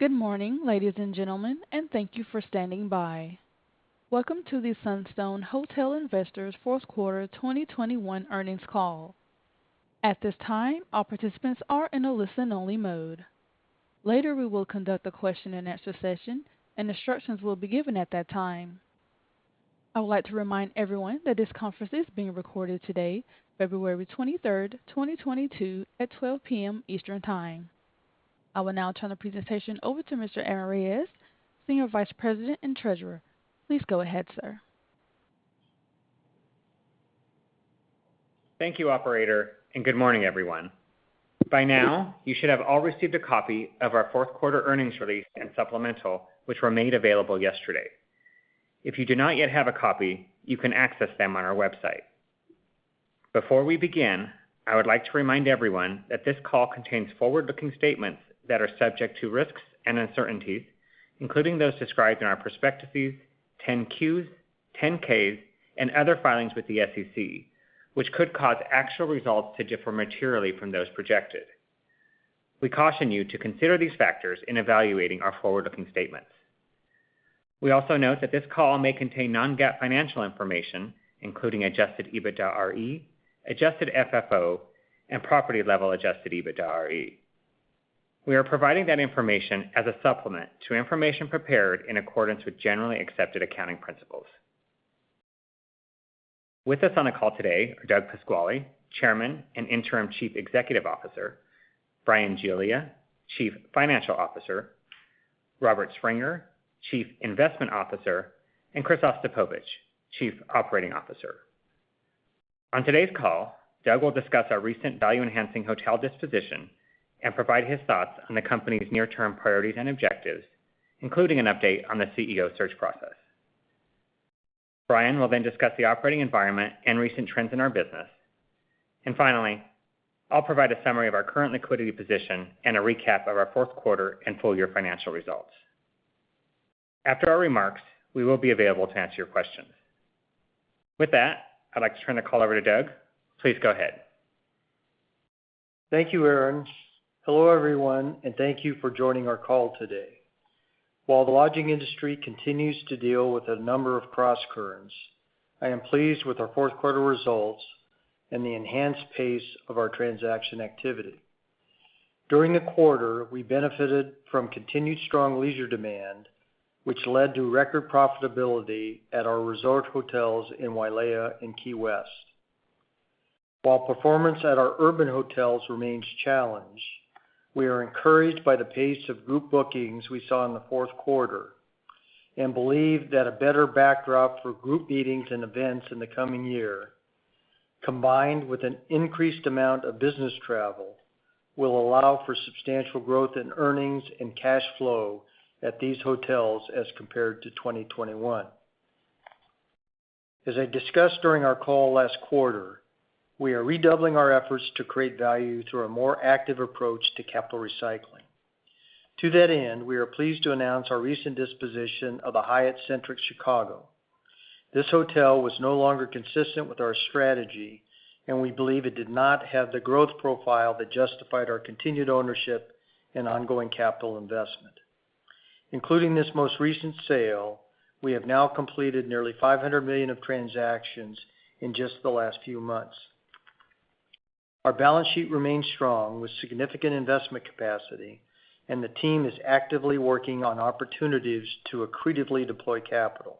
Good morning, ladies and gentlemen, and thank you for standing by. Welcome to the Sunstone Hotel Investors fourth quarter 2021 earnings call. At this time, all participants are in a listen-only mode. Later, we will conduct a Q&A session, and instructions will be given at that time. I would like to remind everyone that this conference is being recorded today, February 23, 2022 at 12:00 P.M. Eastern Time. I will now turn the presentation over to Mr. Aaron Reyes, Senior Vice President and Treasurer. Please go ahead, sir. Thank you, operator, and good morning, everyone. By now, you should have all received a copy of our fourth quarter earnings release and supplemental, which were made available yesterday. If you do not yet have a copy, you can access them on our website. Before we begin, I would like to remind everyone that this call contains forward-looking statements that are subject to risks and uncertainties, including those described in our prospectuses, 10-Qs, 10-Ks, and other filings with the SEC, which could cause actual results to differ materially from those projected. We caution you to consider these factors in evaluating our forward-looking statements. We also note that this call may contain non-GAAP financial information, including Adjusted EBITDAre, Adjusted FFO, and property level Adjusted EBITDAre. We are providing that information as a supplement to information prepared in accordance with generally accepted accounting principles. With us on the call today are Doug Pasquale, Chairman and Interim Chief Executive Officer, Bryan Giglia, Chief Financial Officer, Robert Springer, Chief Investment Officer, and Chris Ostapovicz, Chief Operating Officer. On today's call, Doug will discuss our recent value-enhancing hotel disposition and provide his thoughts on the company's near-term priorities and objectives, including an update on the CEO search process. Bryan will then discuss the operating environment and recent trends in our business. And finally, I'll provide a summary of our current liquidity position and a recap of our fourth quarter and full year financial results. After our remarks, we will be available to answer your questions. With that, I'd like to turn the call over to Doug. Please go ahead. Thank you, Aaron. Hello, everyone, and thank you for joining our call today. While the lodging industry continues to deal with a number of crosscurrents, I am pleased with our fourth quarter results and the enhanced pace of our transaction activity. During the quarter, we benefited from continued strong leisure demand, which led to record profitability at our resort hotels in Wailea and Key West. While performance at our urban hotels remains challenged, we are encouraged by the pace of group bookings we saw in the fourth quarter and believe that a better backdrop for group meetings and events in the coming year, combined with an increased amount of business travel, will allow for substantial growth in earnings and cash flow at these hotels as compared to 2021. As I discussed during our call last quarter, we are redoubling our efforts to create value through a more active approach to capital recycling. To that end, we are pleased to announce our recent disposition of the Hyatt Centric Chicago. This hotel was no longer consistent with our strategy, and we believe it did not have the growth profile that justified our continued ownership and ongoing capital investment. Including this most recent sale, we have now completed nearly $500 million of transactions in just the last few months. Our balance sheet remains strong with significant investment capacity, and the team is actively working on opportunities to accretively deploy capital.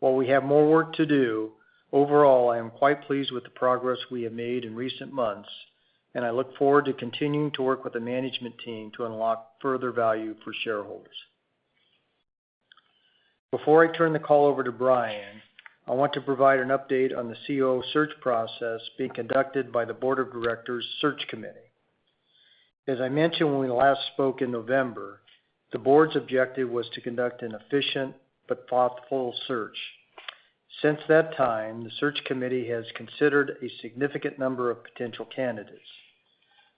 While we have more work to do, overall, I am quite pleased with the progress we have made in recent months, and I look forward to continuing to work with the management team to unlock further value for shareholders. Before I turn the call over to Bryan, I want to provide an update on the CEO search process being conducted by the Board of Directors Search Committee. As I mentioned when we last spoke in November, the board's objective was to conduct an efficient but thoughtful search. Since that time, the search committee has considered a significant number of potential candidates.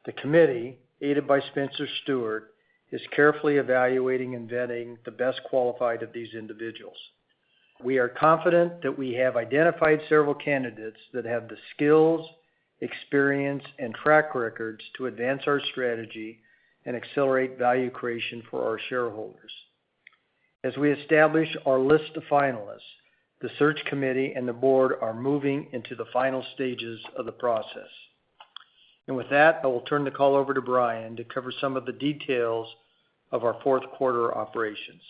The committee, aided by Spencer Stuart, is carefully evaluating and vetting the best qualified of these individuals. We are confident that we have identified several candidates that have the skills, experience, and track records to advance our strategy and accelerate value creation for our shareholders. As we establish our list of finalists, the search committee and the board are moving into the final stages of the process. With that, I will turn the call over to Bryan to cover some of the details of our fourth quarter operations.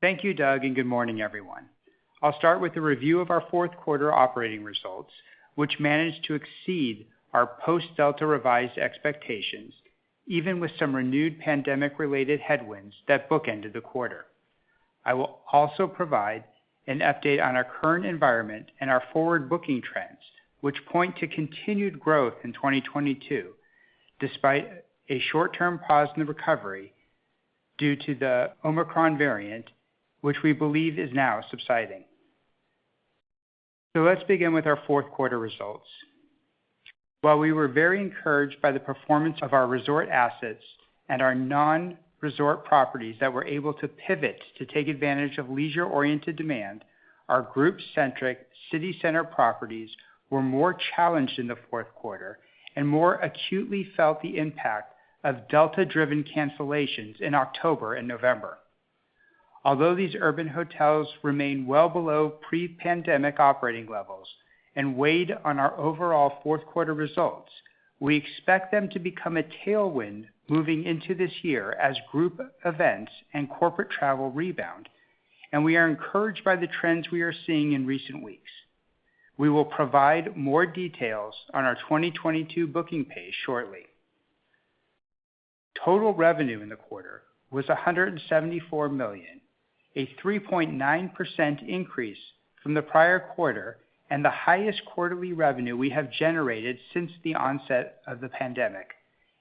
Thank you, Doug, and good morning, everyone. I'll start with a review of our fourth quarter operating results, which managed to exceed our post-Delta revised expectations, even with some renewed pandemic-related headwinds that bookended the quarter. I will also provide an update on our current environment and our forward booking trends, which point to continued growth in 2022 despite a short-term pause in the recovery due to the Omicron variant, which we believe is now subsiding. Let's begin with our fourth quarter results. While we were very encouraged by the performance of our resort assets and our non-resort properties that were able to pivot to take advantage of leisure-oriented demand, our group-centric city center properties were more challenged in the fourth quarter and more acutely felt the impact of Delta-driven cancellations in October and November. Although these urban hotels remain well below pre-pandemic operating levels and weighed on our overall fourth quarter results, we expect them to become a tailwind moving into this year as group events and corporate travel rebound, and we are encouraged by the trends we are seeing in recent weeks. We will provide more details on our 2022 booking pace shortly. Total revenue in the quarter was $174 million, a 3.9% increase from the prior quarter and the highest quarterly revenue we have generated since the onset of the pandemic.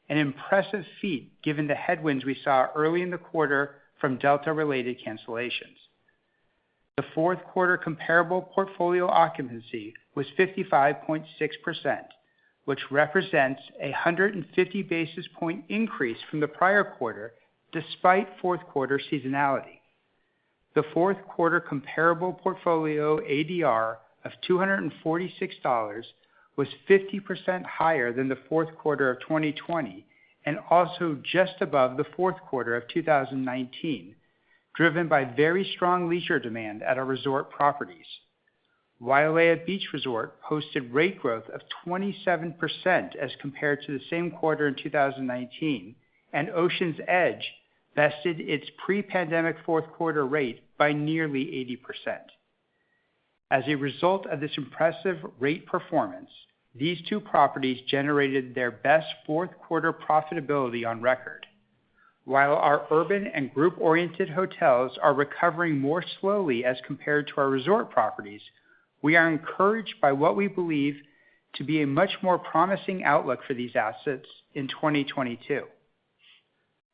An impressive feat given the headwinds we saw early in the quarter from Delta-related cancellations. The fourth quarter comparable portfolio occupancy was 55.6%, which represents a 150 basis point increase from the prior quarter, despite fourth quarter seasonality. The fourth quarter comparable portfolio ADR of $246 was 50% higher than the fourth quarter of 2020, and also just above the fourth quarter of 2019, driven by very strong leisure demand at our resort properties. Wailea Beach Resort hosted rate growth of 27% as compared to the same quarter in 2019, and Oceans Edge bested its pre-pandemic fourth quarter rate by nearly 80%. As a result of this impressive rate performance, these two properties generated their best fourth quarter profitability on record. While our urban and group-oriented hotels are recovering more slowly as compared to our resort properties, we are encouraged by what we believe to be a much more promising outlook for these assets in 2022.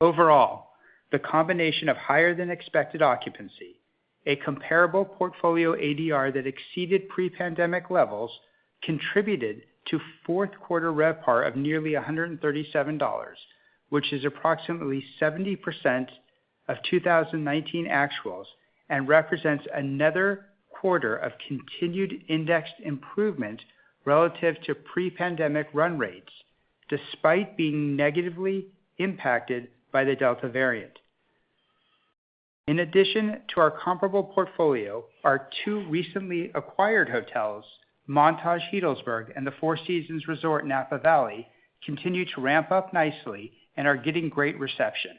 Overall, the combination of higher than expected occupancy, a comparable portfolio ADR that exceeded pre-pandemic levels, contributed to fourth quarter RevPAR of nearly $137, which is approximately 70% of 2019 actuals. Represents another quarter of continued indexed improvement relative to pre-pandemic run rates, despite being negatively impacted by the Delta variant. In addition to our comparable portfolio, our two recently acquired hotels, Montage Healdsburg and the Four Seasons Resort Napa Valley, continue to ramp up nicely and are getting great reception.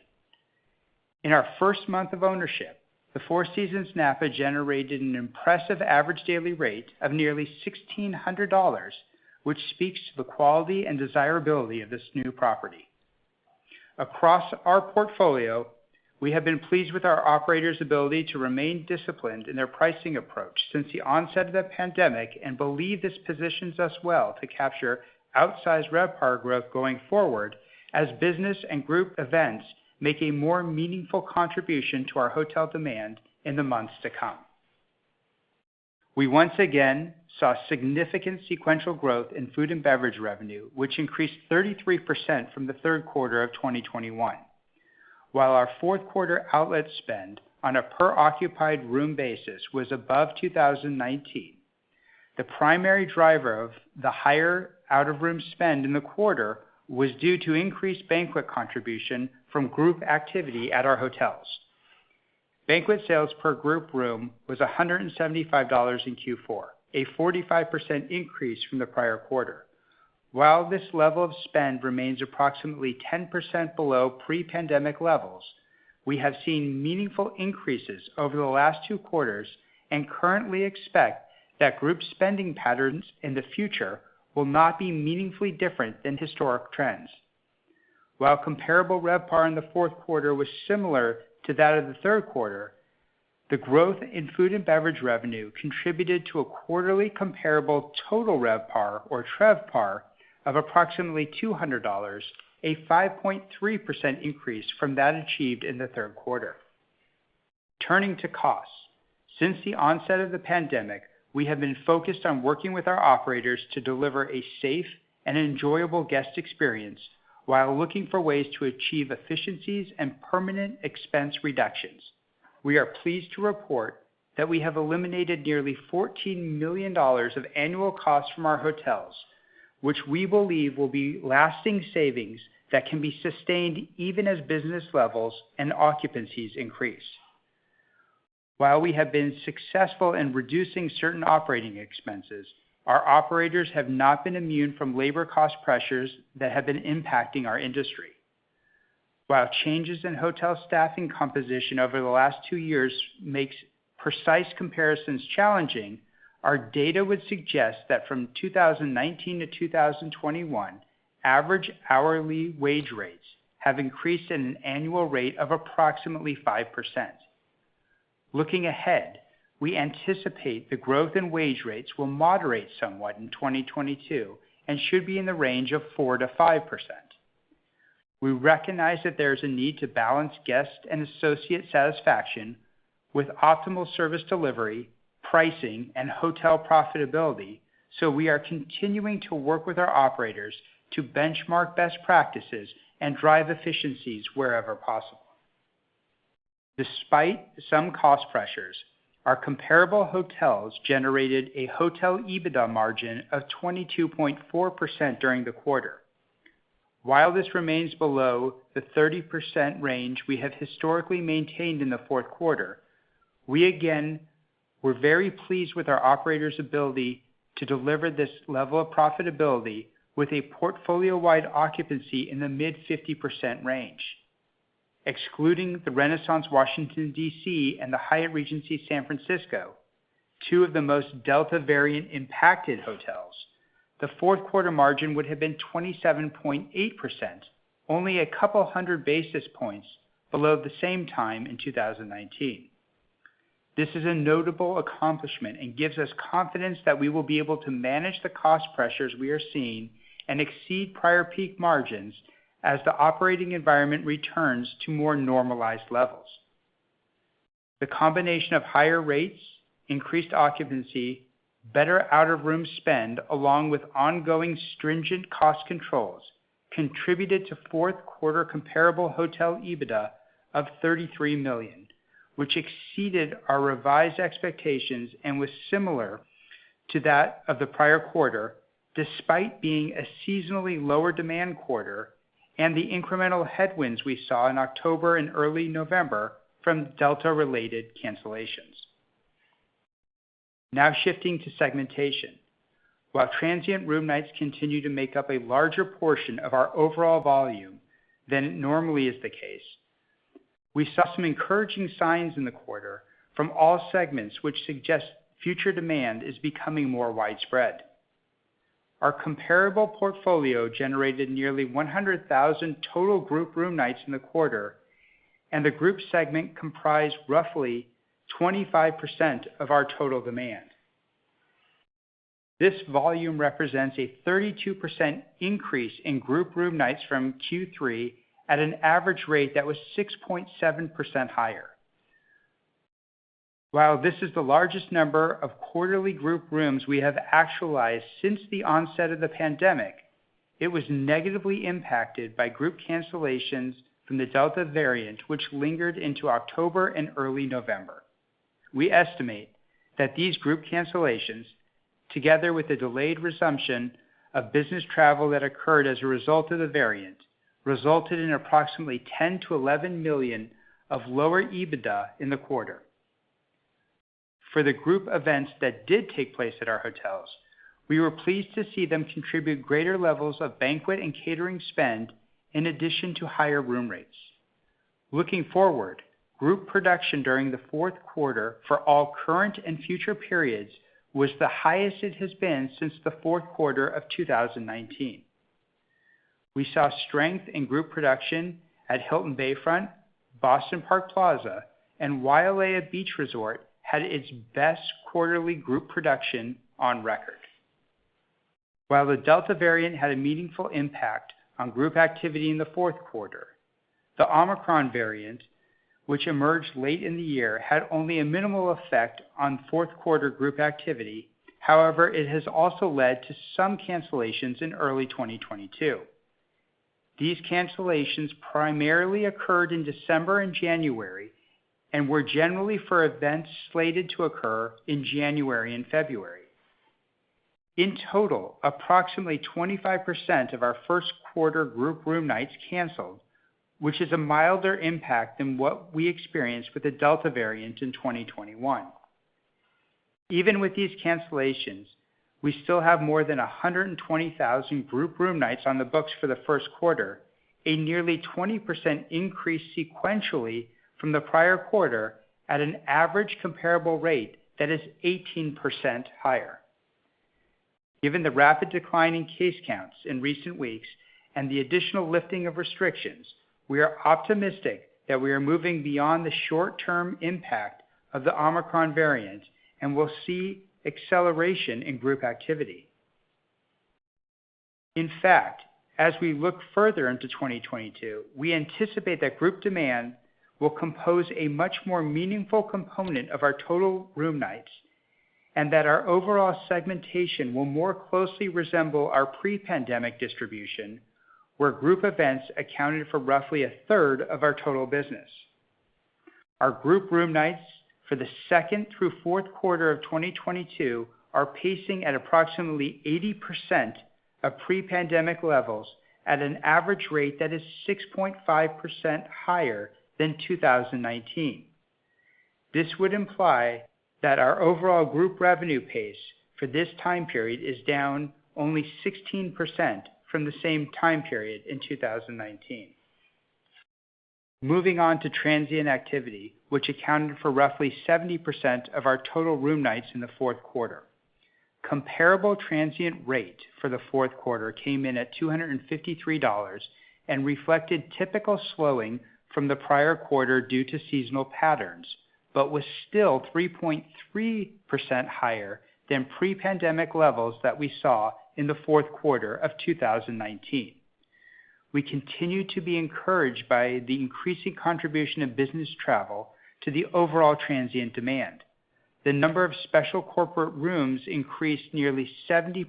In our first month of ownership, the Four Seasons Napa generated an impressive average daily rate of nearly $1,600, which speaks to the quality and desirability of this new property. Across our portfolio, we have been pleased with our operators' ability to remain disciplined in their pricing approach since the onset of the pandemic and believe this positions us well to capture outsized RevPAR growth going forward as business and group events make a more meaningful contribution to our hotel demand in the months to come. We once again saw significant sequential growth in food and beverage revenue, which increased 33% from the third quarter of 2021. While our fourth quarter outlet spend on a per occupied room basis was above 2019. The primary driver of the higher out of room spend in the quarter was due to increased banquet contribution from group activity at our hotels. Banquet sales per group room was $175 in Q4, a 45% increase from the prior quarter. While this level of spend remains approximately 10% below pre-pandemic levels, we have seen meaningful increases over the last two quarters and currently expect that group spending patterns in the future will not be meaningfully different than historic trends. While comparable RevPAR in the fourth quarter was similar to that of the third quarter, the growth in food and beverage revenue contributed to a quarterly comparable total RevPAR, or TRevPAR, of approximately $200, a 5.3% increase from that achieved in the third quarter. Turning to costs. Since the onset of the pandemic, we have been focused on working with our operators to deliver a safe and enjoyable guest experience while looking for ways to achieve efficiencies and permanent expense reductions. We are pleased to report that we have eliminated nearly $14 million of annual costs from our hotels, which we believe will be lasting savings that can be sustained even as business levels and occupancies increase. While we have been successful in reducing certain operating expenses, our operators have not been immune from labor cost pressures that have been impacting our industry. While changes in hotel staffing composition over the last two years makes precise comparisons challenging, our data would suggest that from 2019 to 2021, average hourly wage rates have increased at an annual rate of approximately 5%. Looking ahead, we anticipate the growth in wage rates will moderate somewhat in 2022 and should be in the range of 4%-5%. We recognize that there's a need to balance guest and associate satisfaction with optimal service delivery, pricing, and hotel profitability, so we are continuing to work with our operators to benchmark best practices and drive efficiencies wherever possible. Despite some cost pressures, our comparable hotels generated a hotel EBITDA margin of 22.4% during the quarter. While this remains below the 30% range we have historically maintained in the fourth quarter, we again were very pleased with our operators' ability to deliver this level of profitability with a portfolio wide occupancy in the mid-50% range. Excluding the Renaissance, Washington, D.C., and the Hyatt Regency San Francisco, two of the most Delta variant impacted hotels, the fourth quarter margin would have been 27.8%, only a couple 100 basis points below the same time in 2019. This is a notable accomplishment and gives us confidence that we will be able to manage the cost pressures we are seeing and exceed prior peak margins as the operating environment returns to more normalized levels. The combination of higher rates, increased occupancy, better out-of-room spend, along with ongoing stringent cost controls, contributed to fourth quarter comparable hotel EBITDA of $33 million, which exceeded our revised expectations and was similar to that of the prior quarter, despite being a seasonally lower demand quarter and the incremental headwinds we saw in October and early November from Delta-related cancellations. Now shifting to segmentation. While transient room nights continue to make up a larger portion of our overall volume than it normally is the case, we saw some encouraging signs in the quarter from all segments which suggest future demand is becoming more widespread. Our comparable portfolio generated nearly 100,000 total group room nights in the quarter, and the group segment comprised roughly 25% of our total demand. This volume represents a 32% increase in group room nights from Q3 at an average rate that was 6.7% higher. While this is the largest number of quarterly group rooms we have actualized since the onset of the pandemic, it was negatively impacted by group cancellations from the Delta variant, which lingered into October and early November. We estimate that these group cancellations, together with the delayed resumption of business travel that occurred as a result of the variant, resulted in approximately $10-11 million of lower EBITDA in the quarter. For the group events that did take place at our hotels, we were pleased to see them contribute greater levels of banquet and catering spend in addition to higher room rates. Looking forward, group production during the fourth quarter for all current and future periods was the highest it has been since the fourth quarter of 2019. We saw strength in group production at Hilton San Diego Bayfront, Boston Park Plaza, and Wailea Beach Resort had its best quarterly group production on record. While the Delta variant had a meaningful impact on group activity in the fourth quarter, the Omicron variant, which emerged late in the year, had only a minimal effect on fourth quarter group activity. However, it has also led to some cancellations in early 2022. These cancellations primarily occurred in December and January and were generally for events slated to occur in January and February. In total, approximately 25% of our first quarter group room nights canceled, which is a milder impact than what we experienced with the Delta variant in 2021. Even with these cancellations, we still have more than 120,000 group room nights on the books for the first quarter, a nearly 20% increase sequentially from the prior quarter at an average comparable rate that is 18% higher. Given the rapid decline in case counts in recent weeks and the additional lifting of restrictions, we are optimistic that we are moving beyond the short term impact of the Omicron variant and will see acceleration in group activity. In fact, as we look further into 2022, we anticipate that group demand will compose a much more meaningful component of our total room nights, and that our overall segmentation will more closely resemble our pre-pandemic distribution, where group events accounted for roughly a third of our total business. Our group room nights for the second through fourth quarter of 2022 are pacing at approximately 80% of pre-pandemic levels at an average rate that is 6.5% higher than 2019. This would imply that our overall group revenue pace for this time period is down only 16% from the same time period in 2019. Moving on to transient activity, which accounted for roughly 70% of our total room nights in the fourth quarter. Comparable transient rate for the fourth quarter came in at $253 and reflected typical slowing from the prior quarter due to seasonal patterns, but was still 3.3% higher than pre-pandemic levels that we saw in the fourth quarter of 2019. We continue to be encouraged by the increasing contribution of business travel to the overall transient demand. The number of special corporate rooms increased nearly 70%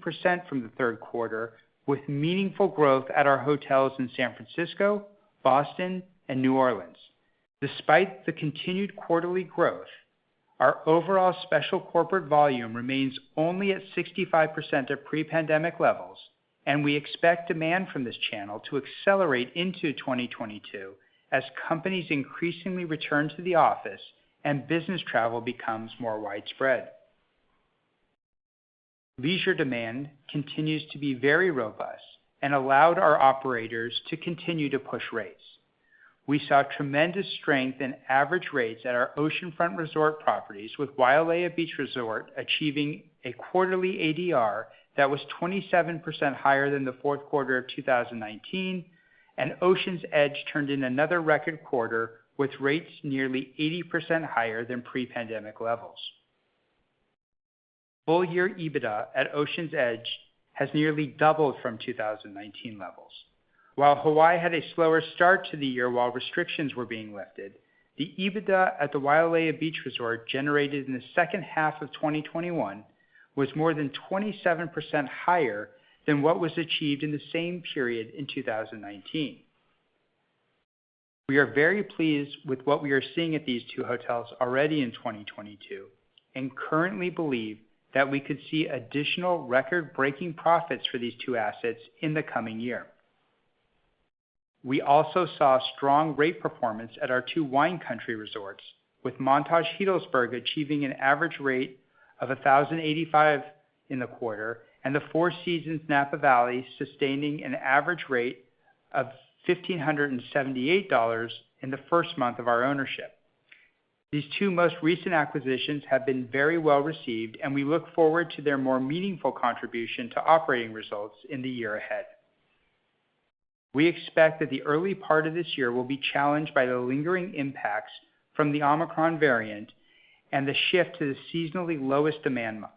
from the third quarter, with meaningful growth at our hotels in San Francisco, Boston, and New Orleans. Despite the continued quarterly growth, our overall special corporate volume remains only at 65% of pre-pandemic levels, and we expect demand from this channel to accelerate into 2022 as companies increasingly return to the office and business travel becomes more widespread. Leisure demand continues to be very robust and allowed our operators to continue to push rates. We saw tremendous strength in average rates at our oceanfront resort properties, with Wailea Beach Resort achieving a quarterly ADR that was 27% higher than the fourth quarter of 2019, and Oceans Edge turned in another record quarter with rates nearly 80% higher than pre-pandemic levels. Full year EBITDA at Oceans Edge has nearly doubled from 2019 levels. While Hawaii had a slower start to the year while restrictions were being lifted, the EBITDA at the Wailea Beach Resort generated in the second half of 2021 was more than 27% higher than what was achieved in the same period in 2019. We are very pleased with what we are seeing at these two hotels already in 2022 and currently believe that we could see additional record-breaking profits for these two assets in the coming year. We also saw strong rate performance at our two wine country resorts, with Montage Healdsburg achieving an average rate of $1,085 in the quarter and the Four Seasons Napa Valley sustaining an average rate of $1,578 in the first month of our ownership. These two most recent acquisitions have been very well received, and we look forward to their more meaningful contribution to operating results in the year ahead. We expect that the early part of this year will be challenged by the lingering impacts from the Omicron variant and the shift to the seasonally lowest demand months.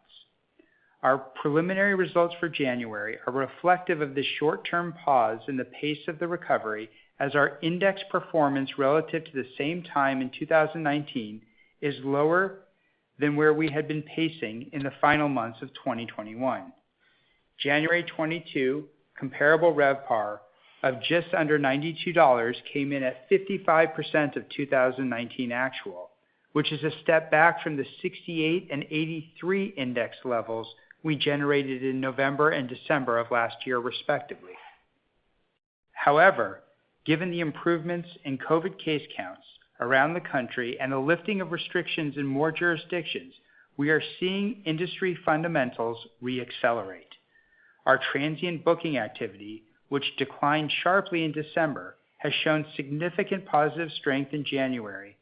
Our preliminary results for January are reflective of the short term pause in the pace of the recovery as our index performance relative to the same time in 2019 is lower than where we had been pacing in the final months of 2021. January 2022 comparable RevPAR of just under $92 came in at 55% of 2019 actual, which is a step back from the 68% and 83% index levels we generated in November and December of last year, respectively. However, given the improvements in COVID case counts around the country and the lifting of restrictions in more jurisdictions, we are seeing industry fundamentals re-accelerate. Our transient booking activity, which declined sharply in December, has shown significant positive strength in January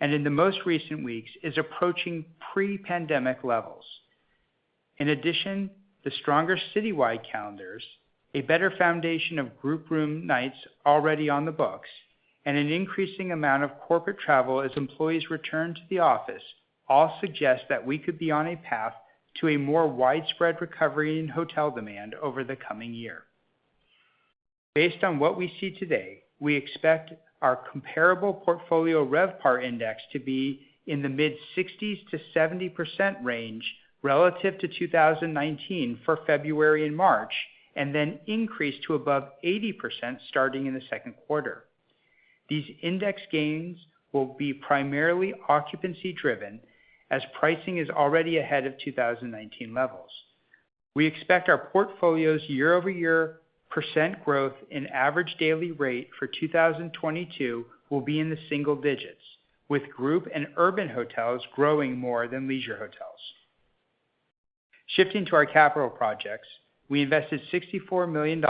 and in the most recent weeks is approaching pre-pandemic levels. In addition, the stronger citywide calendars, a better foundation of group room nights already on the books, and an increasing amount of corporate travel as employees return to the office all suggest that we could be on a path to a more widespread recovery in hotel demand over the coming year. Based on what we see today, we expect our comparable portfolio RevPAR index to be in the mid-60s to 70% range relative to 2019 for February and March, and then increase to above 80% starting in the second quarter. These index gains will be primarily occupancy driven as pricing is already ahead of 2019 levels. We expect our portfolio's year-over-year percent growth in average daily rate for 2022 will be in the single digits, with group and urban hotels growing more than leisure hotels. Shifting to our capital projects, we invested $64 million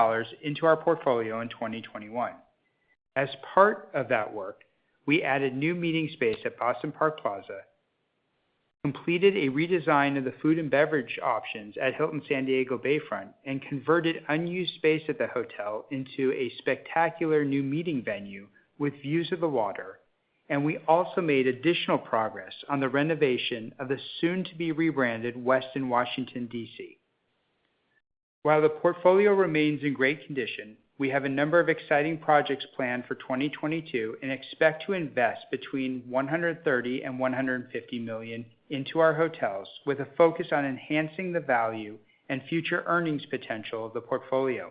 into our portfolio in 2021. As part of that work, we added new meeting space at Boston Park Plaza, completed a redesign of the food and beverage options at Hilton San Diego Bayfront, and converted unused space at the hotel into a spectacular new meeting venue with views of the water. We also made additional progress on the renovation of the soon to be rebranded Westin Washington, D.C. While the portfolio remains in great condition, we have a number of exciting projects planned for 2022 and expect to invest between $130 million and $150 million into our hotels with a focus on enhancing the value and future earnings potential of the portfolio.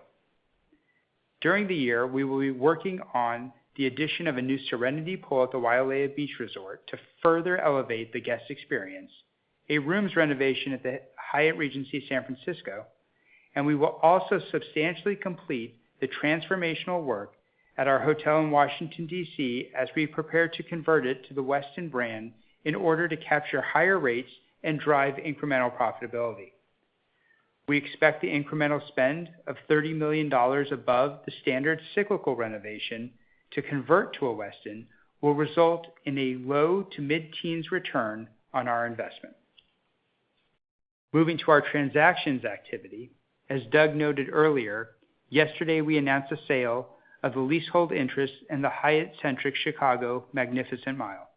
During the year, we will be working on the addition of a new serenity pool at the Wailea Beach Resort to further elevate the guest experience, a rooms renovation at the Hyatt Regency San Francisco, and we will also substantially complete the transformational work at our hotel in Washington, D.C., as we prepare to convert it to the Westin brand in order to capture higher rates and drive incremental profitability. We expect the incremental spend of $30 million above the standard cyclical renovation to convert to a Westin will result in a low- to mid-teens return on our investment. Moving to our transactions activity. As Doug noted earlier, yesterday we announced the sale of the leasehold interest in the Hyatt Centric Chicago Magnificent Mile.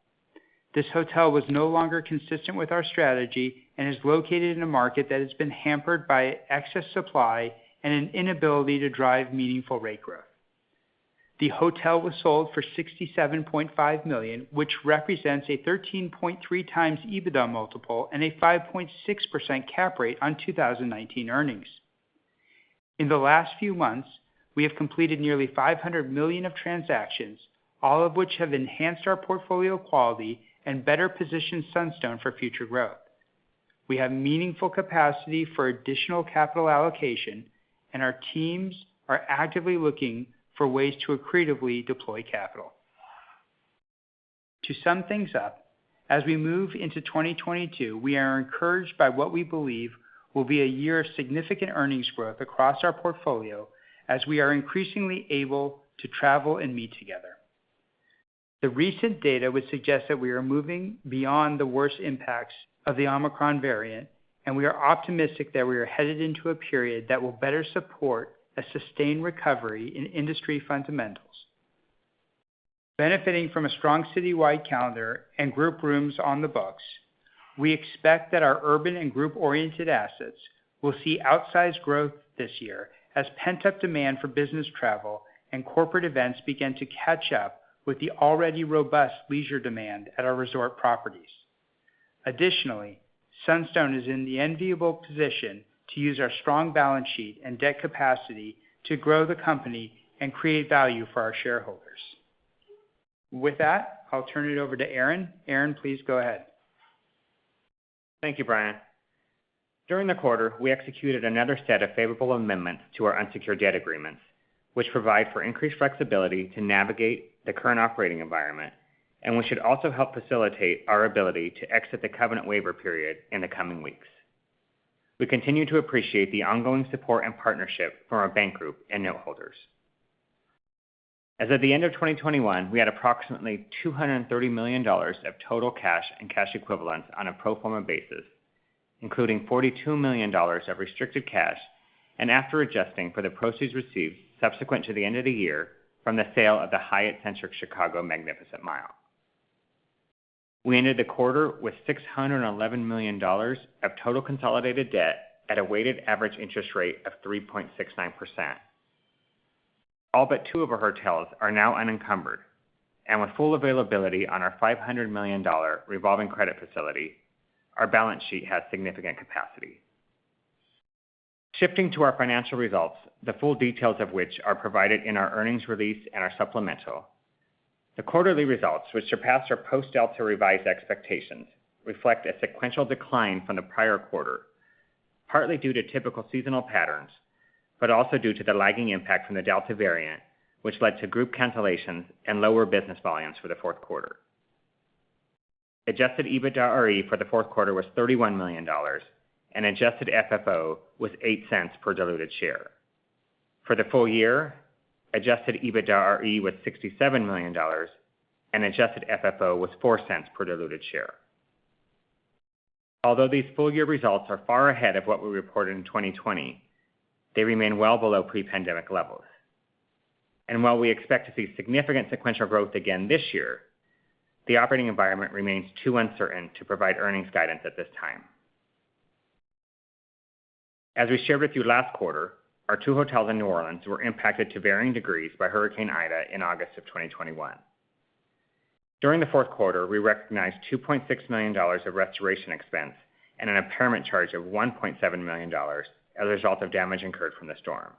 This hotel was no longer consistent with our strategy and is located in a market that has been hampered by excess supply and an inability to drive meaningful rate growth. The hotel was sold for $67.5 million, which represents a 13.3x EBITDA multiple and a 5.6% cap rate on 2019 earnings. In the last few months, we have completed nearly $500 million of transactions, all of which have enhanced our portfolio quality and better positioned Sunstone for future growth. We have meaningful capacity for additional capital allocation, and our teams are actively looking for ways to creatively deploy capital. To sum things up, as we move into 2022, we are encouraged by what we believe will be a year of significant earnings growth across our portfolio as we are increasingly able to travel and meet together. The recent data would suggest that we are moving beyond the worst impacts of the Omicron variant, and we are optimistic that we are headed into a period that will better support a sustained recovery in industry fundamentals. Benefiting from a strong citywide calendar and group rooms on the books, we expect that our urban and group-oriented assets will see outsized growth this year as pent-up demand for business travel and corporate events begin to catch up with the already robust leisure demand at our resort properties. Additionally, Sunstone is in the enviable position to use our strong balance sheet and debt capacity to grow the company and create value for our shareholders. With that, I'll turn it over to Aaron. Aaron, please go ahead. Thank you, Bryan. During the quarter, we executed another set of favorable amendments to our unsecured debt agreements, which provide for increased flexibility to navigate the current operating environment, and which should also help facilitate our ability to exit the covenant waiver period in the coming weeks. We continue to appreciate the ongoing support and partnership from our bank group and note holders. As of the end of 2021, we had approximately $230 million of total cash and cash equivalents on a pro forma basis, including $42 million of restricted cash, and after adjusting for the proceeds received subsequent to the end of the year from the sale of the Hyatt Centric Chicago Magnificent Mile. We ended the quarter with $611 million of total consolidated debt at a weighted average interest rate of 3.69%. All but two of our hotels are now unencumbered, and with full availability on our $500 million revolving credit facility, our balance sheet has significant capacity. Shifting to our financial results, the full details of which are provided in our earnings release and our supplemental, the quarterly results, which surpassed our post-Delta revised expectations, reflect a sequential decline from the prior quarter, partly due to typical seasonal patterns, but also due to the lagging impact from the Delta variant, which led to group cancellations and lower business volumes for the fourth quarter. Adjusted EBITDAre for the fourth quarter was $31 million and Adjusted FFO was $0.08 per diluted share. For the full year, Adjusted EBITDAre was $67 million and Adjusted FFO was $0.04 per diluted share. Although these full year results are far ahead of what we reported in 2020, they remain well below pre-pandemic levels. While we expect to see significant sequential growth again this year, the operating environment remains too uncertain to provide earnings guidance at this time. As we shared with you last quarter, our two hotels in New Orleans were impacted to varying degrees by Hurricane Ida in August 2021. During the fourth quarter, we recognized $2.6 million of restoration expense and an impairment charge of $1.7 million as a result of damage incurred from the storm.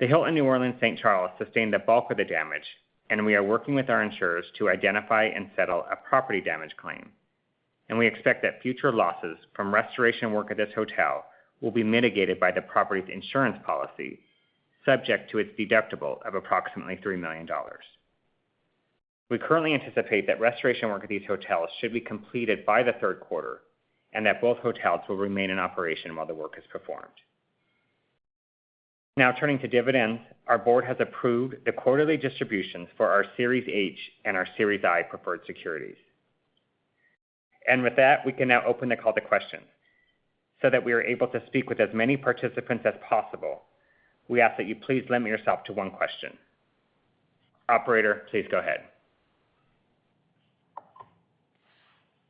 The Hilton New Orleans/St. Charles Avenue sustained the bulk of the damage, and we are working with our insurers to identify and settle a property damage claim, and we expect that future losses from restoration work at this hotel will be mitigated by the property's insurance policy, subject to its deductible of approximately $3 million. We currently anticipate that restoration work at these hotels should be completed by the third quarter and that both hotels will remain in operation while the work is performed. Now turning to dividends, our board has approved the quarterly distributions for our Series H and our Series I preferred securities. With that, we can now open the call to questions so that we are able to speak with as many participants as possible. We ask that you please limit yourself to one question. Operator, please go ahead.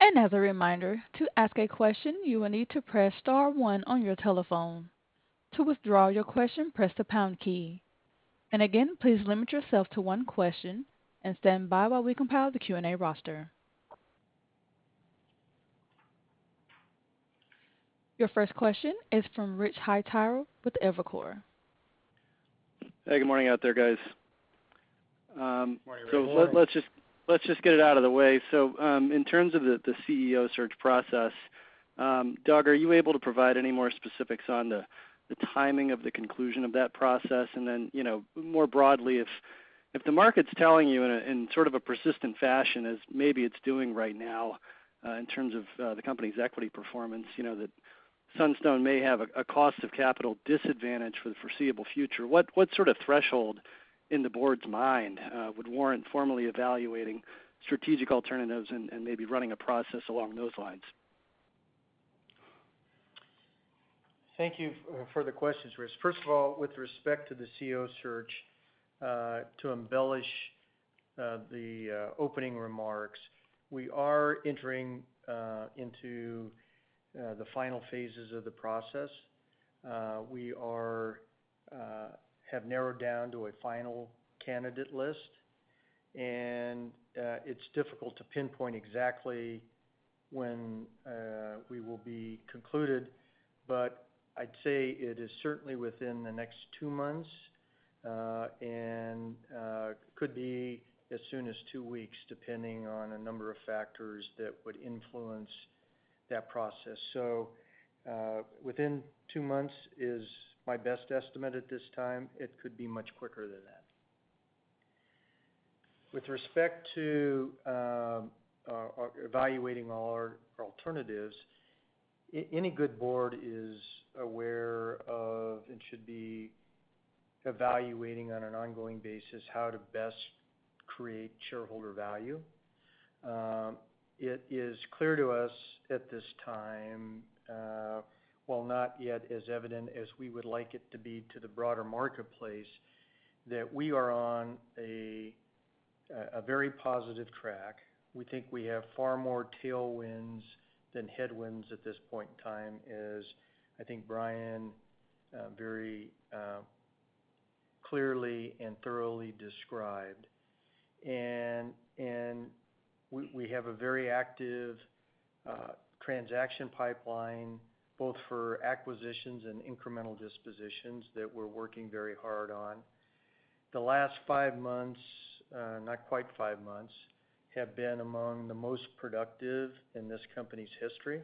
As a reminder, to ask a question, you will need to press star one on your telephone. To withdraw your question, press the pound key. Again, please limit yourself to one question and stand by while we compile the Q&A roster. Your first question is from Rich Hightower with Evercore. Hey, good morning out there, guys. Good morning. Let's just get it out of the way. In terms of the CEO search process, Doug, are you able to provide any more specifics on the timing of the conclusion of that process? You know, more broadly, if the market's telling you in sort of a persistent fashion as maybe it's doing right now, in terms of the company's equity performance, you know, that Sunstone may have a cost of capital disadvantage for the foreseeable future. What sort of threshold in the board's mind would warrant formally evaluating strategic alternatives and maybe running a process along those lines? Thank you for the questions, Rich. First of all, with respect to the CEO search, to embellish the opening remarks, we are entering into the final phases of the process. We have narrowed down to a final candidate list. It's difficult to pinpoint exactly when we will be concluded, but I'd say it is certainly within the next two months, and could be as soon as two weeks, depending on a number of factors that would influence that process. Within two months is my best estimate at this time. It could be much quicker than that. With respect to evaluating all our alternatives, any good board is aware of, and should be evaluating on an ongoing basis how to best create shareholder value. It is clear to us at this time, while not yet as evident as we would like it to be to the broader marketplace, that we are on a very positive track. We think we have far more tailwinds than headwinds at this point in time, as I think Bryan very clearly and thoroughly described. We have a very active transaction pipeline, both for acquisitions and incremental dispositions that we're working very hard on. The last five months, not quite five months, have been among the most productive in this company's history.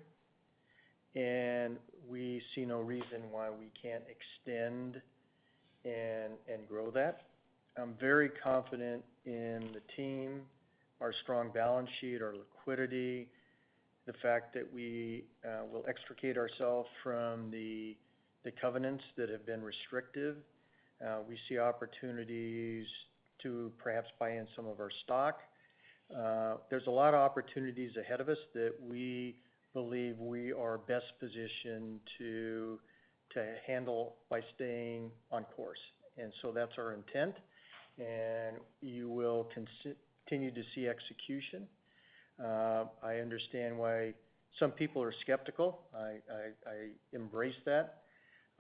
We see no reason why we can't extend and grow that. I'm very confident in the team, our strong balance sheet, our liquidity, the fact that we will extricate ourselves from the covenants that have been restrictive. We see opportunities to perhaps buy in some of our stock. There's a lot of opportunities ahead of us that we believe we are best positioned to handle by staying on course. That's our intent. You will continue to see execution. I understand why some people are skeptical. I embrace that.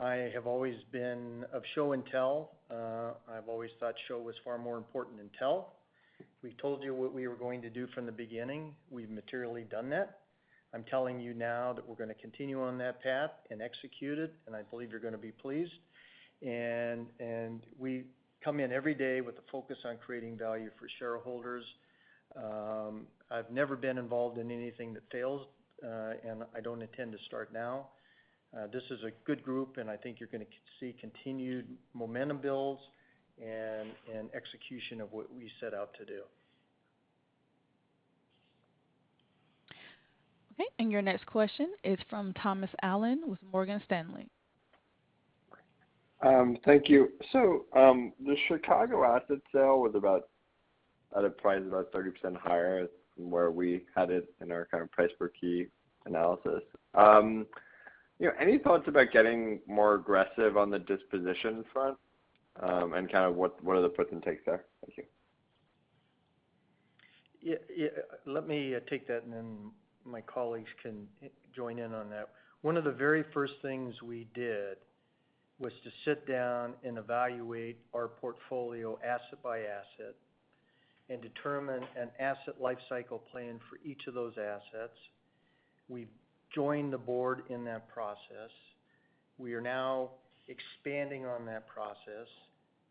I have always been of show and tell. I've always thought show was far more important than tell. We told you what we were going to do from the beginning. We've materially done that. I'm telling you now that we're gonna continue on that path and execute it, and I believe you're gonna be pleased. We come in every day with a focus on creating value for shareholders. I've never been involved in anything that fails, and I don't intend to start now. This is a good group, and I think you're gonna see continued momentum builds and execution of what we set out to do. Okay. Your next question is from Thomas Allen with Morgan Stanley. Thank you. The Chicago asset sale was about at a price about 30% higher than where we had it in our kind of price per key analysis. You know, any thoughts about getting more aggressive on the disposition front? Kind of what are the puts and takes there? Thank you. Yeah, yeah. Let me take that and then my colleagues can join in on that. One of the very first things we did was to sit down and evaluate our portfolio asset by asset and determine an asset lifecycle plan for each of those assets. We've joined the board in that process. We are now expanding on that process.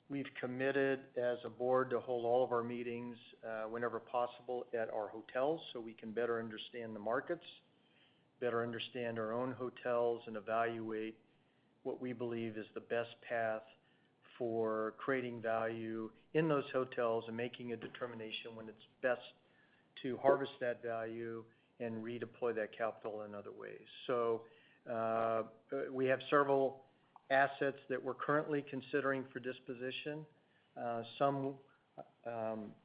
We've committed as a board to hold all of our meetings whenever possible at our hotels so we can better understand the markets, better understand our own hotels, and evaluate what we believe is the best path for creating value in those hotels and making a determination when it's best to harvest that value and redeploy that capital in other ways. We have several assets that we're currently considering for disposition. Some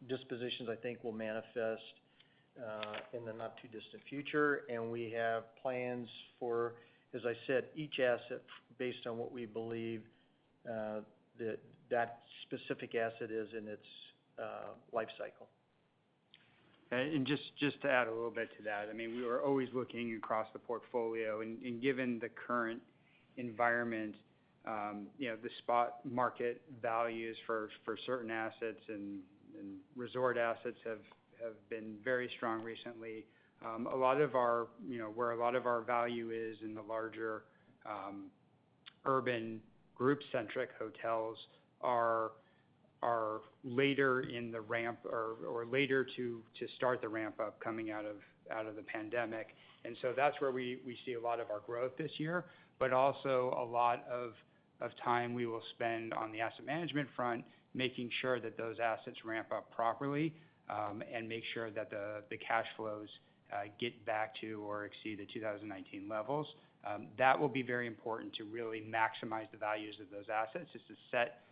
dispositions, I think will manifest in the not-too-distant future. We have plans for, as I said, each asset based on what we believe that specific asset is in its lifecycle. Just to add a little bit to that, I mean, we are always looking across the portfolio and given the current environment, you know, the spot market values for certain assets and resort assets have been very strong recently. A lot of our, you know, where a lot of our value is in the larger urban group-centric hotels are later in the ramp or later to start the ramp up coming out of the pandemic. That's where we see a lot of our growth this year, but also a lot of time we will spend on the asset management front, making sure that those assets ramp up properly. Make sure that the cash flows get back to or exceed the 2019 levels. That will be very important to really maximize the values of those assets, to set,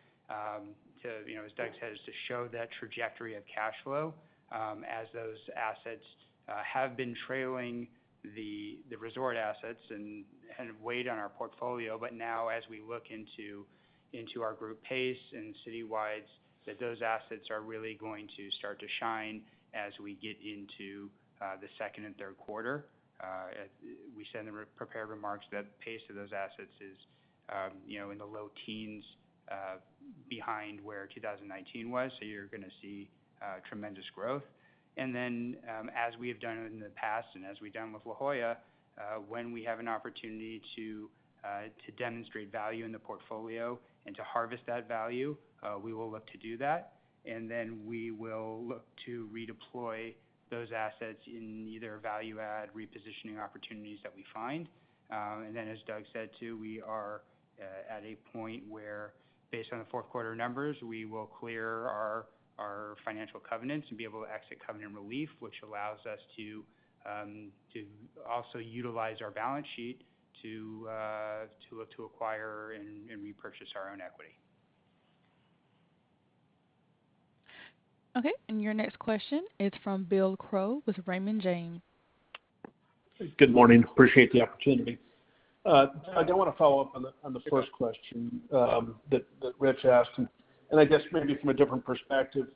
you know, as Doug said, to show that trajectory of cash flow, as those assets have been trailing the resort assets and weighed on our portfolio. Now as we look into our group pace and citywides, those assets are really going to start to shine as we get into the second and third quarter. We said in the prepared remarks that pace of those assets is, you know, in the low teens behind where 2019 was. You're gonna see tremendous growth. As we have done in the past and as we've done with La Jolla, when we have an opportunity to demonstrate value in the portfolio and to harvest that value, we will look to do that. We will look to redeploy those assets in either value add repositioning opportunities that we find. As Doug said too, we are at a point where based on the fourth quarter numbers, we will clear our financial covenants and be able to exit covenant relief, which allows us to also utilize our balance sheet to acquire and repurchase our own equity. Okay. Your next question is from Bill Crow with Raymond James. Good morning. Appreciate the opportunity. I do wanna follow up on the first question that Rich asked, and I guess maybe from a different perspective,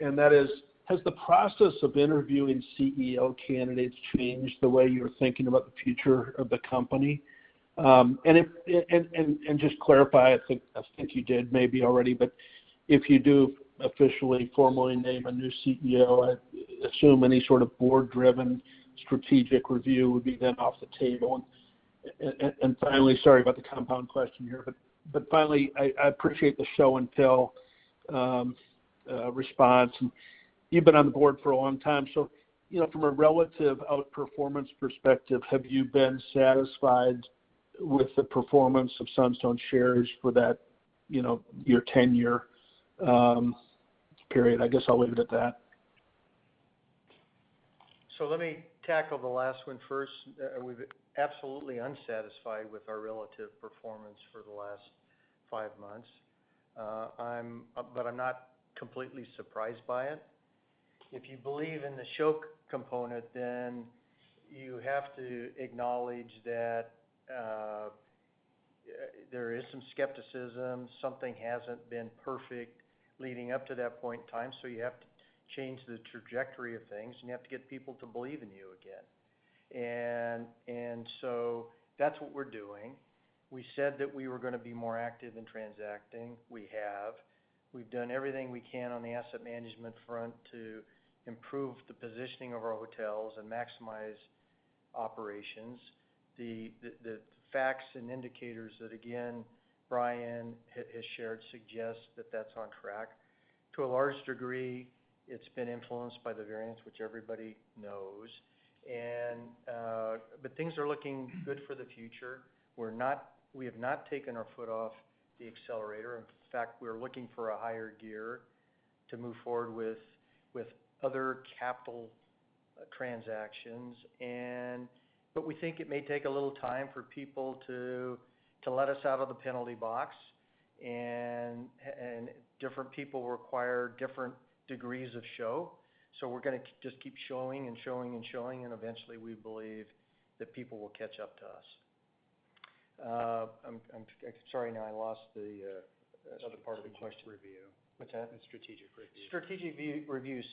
and that is, has the process of interviewing CEO candidates changed the way you're thinking about the future of the company? Just clarify, I think you did maybe already, but if you do officially, formally name a new CEO, I assume any sort of board-driven strategic review would be then off the table. Finally, sorry about the compound question here, but I appreciate the show and tell response. You've been on the board for a long time. You know, from a relative outperformance perspective, have you been satisfied with the performance of Sunstone shares for that, you know, your tenure, period? I guess I'll leave it at that. Let me tackle the last one first. We've been absolutely unsatisfied with our relative performance for the last five months. I'm not completely surprised by it. If you believe in the show component, then you have to acknowledge that there is some skepticism, something hasn't been perfect leading up to that point in time, so you have to change the trajectory of things, and you have to get people to believe in you again. That's what we're doing. We said that we were gonna be more active in transacting. We have. We've done everything we can on the asset management front to improve the positioning of our hotels and maximize operations. The facts and indicators that, again, Bryan has shared suggest that that's on track. To a large degree, it's been influenced by the variant, which everybody knows. things are looking good for the future. We have not taken our foot off the accelerator. In fact, we're looking for a higher gear to move forward with other capital transactions. We think it may take a little time for people to let us out of the penalty box. Different people require different degrees of show. We're gonna just keep showing and showing and showing, and eventually we believe that people will catch up to us. Sorry, now I lost the other part of the question. Strategic review. What's that? The strategic review. Strategic re-review.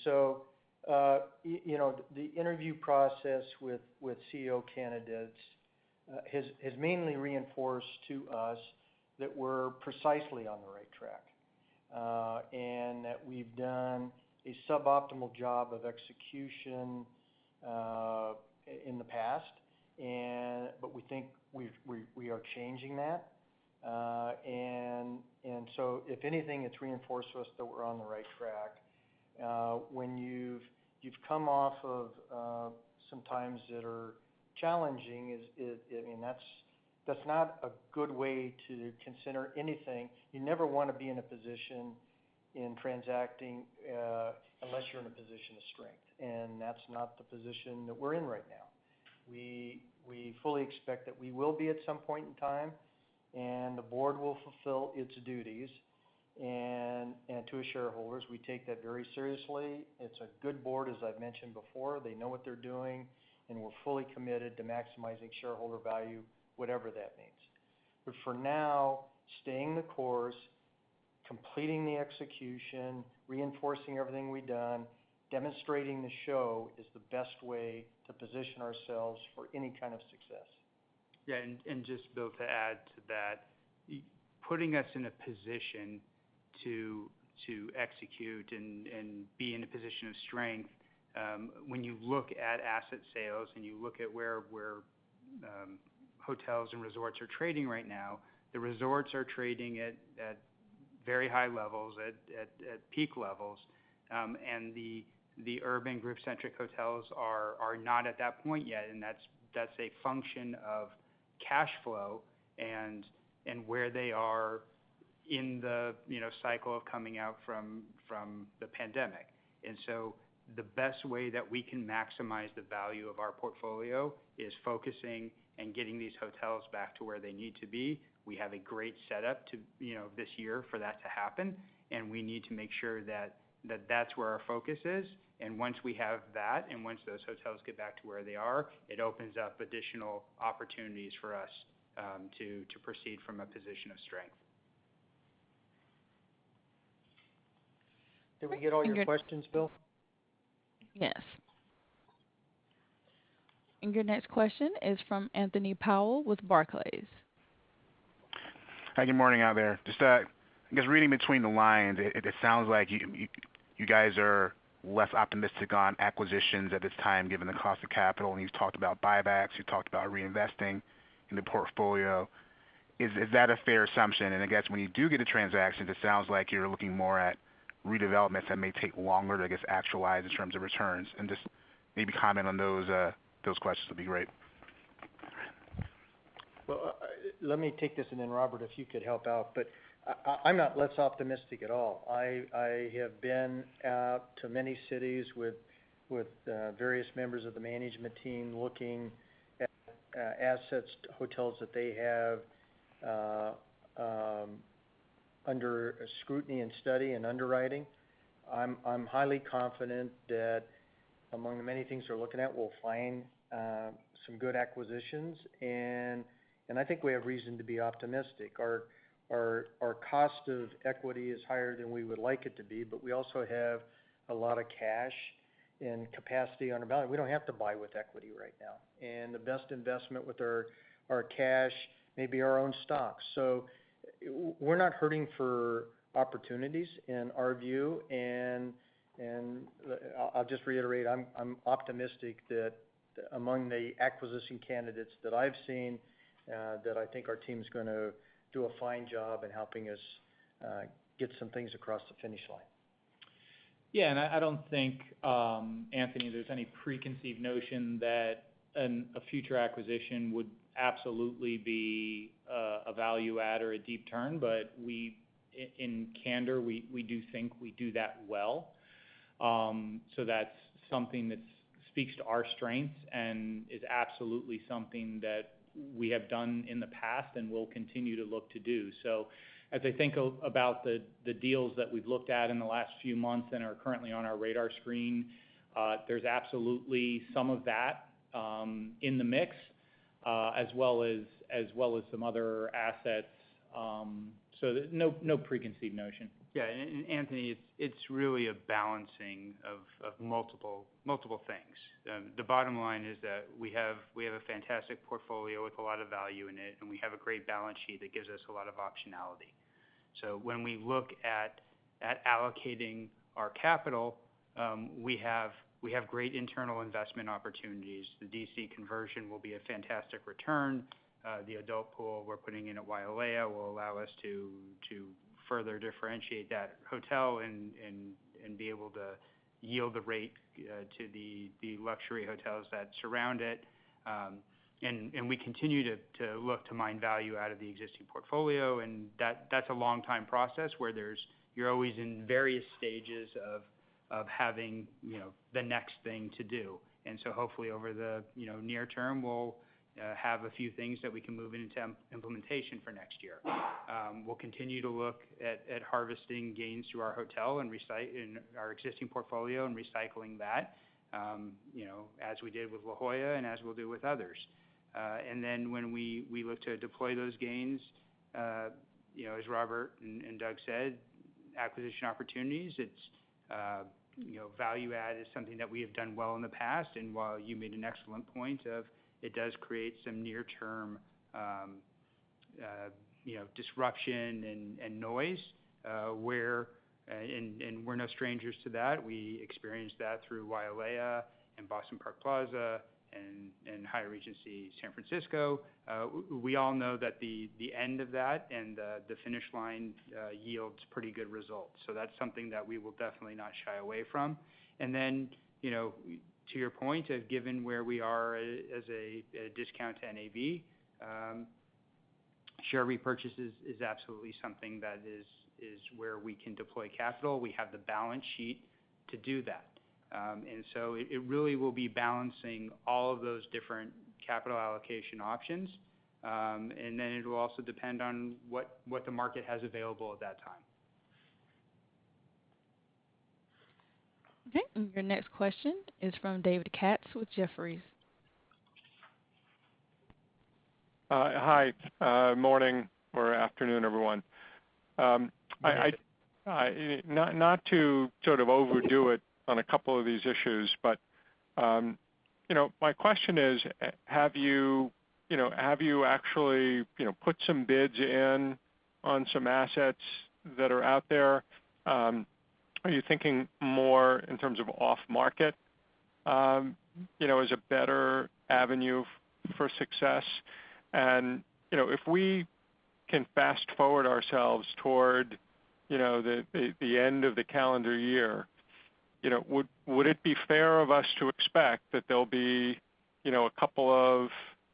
You know, the interview process with CEO candidates has mainly reinforced to us that we're precisely on the right track, and that we've done a suboptimal job of execution in the past. We think we are changing that. If anything, it's reinforced to us that we're on the right track. When you've come off of some times that are challenging is, I mean, that's not a good way to consider anything. You never wanna be in a position in transacting unless you're in a position of strength, and that's not the position that we're in right now. We fully expect that we will be at some point in time, and the board will fulfill its duties. To shareholders, we take that very seriously. It's a good board, as I've mentioned before. They know what they're doing, and we're fully committed to maximizing shareholder value, whatever that means. For now, staying the course, completing the execution, reinforcing everything we've done, demonstrating the show is the best way to position ourselves for any kind of success. Yeah. Just, Bill, to add to that, putting us in a position to execute and be in a position of strength, when you look at asset sales and you look at where hotels and resorts are trading right now, the resorts are trading at very high levels, at peak levels. The urban group centric hotels are not at that point yet, and that's a function of cash flow and where they are In the you know cycle of coming out from the pandemic. The best way that we can maximize the value of our portfolio is focusing and getting these hotels back to where they need to be. We have a great setup to you know this year for that to happen, and we need to make sure that that's where our focus is. Once we have that, once those hotels get back to where they are, it opens up additional opportunities for us to proceed from a position of strength. Did we get all your questions, Bill? Yes. Your next question is from Anthony Powell with Barclays. Hi, good morning out there. Just, I guess reading between the lines, it sounds like you guys are less optimistic on acquisitions at this time, given the cost of capital. You've talked about buybacks, you've talked about reinvesting in the portfolio. Is that a fair assumption? I guess when you do get a transaction, it sounds like you're looking more at redevelopments that may take longer to, I guess, actualize in terms of returns. Just maybe comment on those questions would be great. Well, let me take this, and then Robert, if you could help out. I'm not less optimistic at all. I have been out to many cities with various members of the management team, looking at assets, hotels that they have under scrutiny and study and underwriting. I'm highly confident that among the many things we're looking at, we'll find some good acquisitions. I think we have reason to be optimistic. Our cost of equity is higher than we would like it to be, but we also have a lot of cash and capacity on our balance. We don't have to buy with equity right now, and the best investment with our cash may be our own stock. We're not hurting for opportunities in our view. I'll just reiterate, I'm optimistic that among the acquisition candidates that I've seen, that I think our team's gonna do a fine job in helping us get some things across the finish line. I don't think, Anthony, there's any preconceived notion that a future acquisition would absolutely be a value add or a deep turn. In candor, we do think we do that well. That's something that speaks to our strengths and is absolutely something that we have done in the past and will continue to look to do. As I think about the deals that we've looked at in the last few months and are currently on our radar screen, there's absolutely some of that in the mix, as well as some other assets. No preconceived notion. Yeah. Anthony, it's really a balancing of multiple things. The bottom line is that we have a fantastic portfolio with a lot of value in it, and we have a great balance sheet that gives us a lot of optionality. When we look at allocating our capital, we have great internal investment opportunities. The D.C. conversion will be a fantastic return. The adult pool we're putting in at Wailea will allow us to further differentiate that hotel and be able to yield the rate to the luxury hotels that surround it. We continue to look to mine value out of the existing portfolio, and that's a long time process where you're always in various stages of having you know, the next thing to do. Hopefully over the, you know, near term, we'll have a few things that we can move into implementation for next year. We'll continue to look at harvesting gains through our hotels and recycling in our existing portfolio and recycling that, you know, as we did with La Jolla and as we'll do with others. Then when we look to deploy those gains, you know, as Robert and Doug said, acquisition opportunities, it's, you know, value add is something that we have done well in the past. While you made an excellent point of it does create some near term, you know, disruption and noise, where, and we're no strangers to that. We experienced that through Wailea Beach Resort and Boston Park Plaza and Hyatt Regency San Francisco. We all know that the end of that and the finish line yields pretty good results. That's something that we will definitely not shy away from. Then, you know, to your point, given where we are as a discount to NAV, share repurchases is absolutely something that is where we can deploy capital. We have the balance sheet to do that. It really will be balancing all of those different capital allocation options. Then it will also depend on what the market has available at that time. Okay. Your next question is from David Katz with Jefferies. Hi, morning or afternoon, everyone. Good afternoon. Not to sort of overdo it on a couple of these issues, but you know, my question is, have you actually, you know, put some bids in on some assets that are out there? Are you thinking more in terms of off market, you know, as a better avenue for success? You know, if we can fast-forward ourselves toward, you know, the end of the calendar year, would it be fair of us to expect that there'll be, you know, a couple of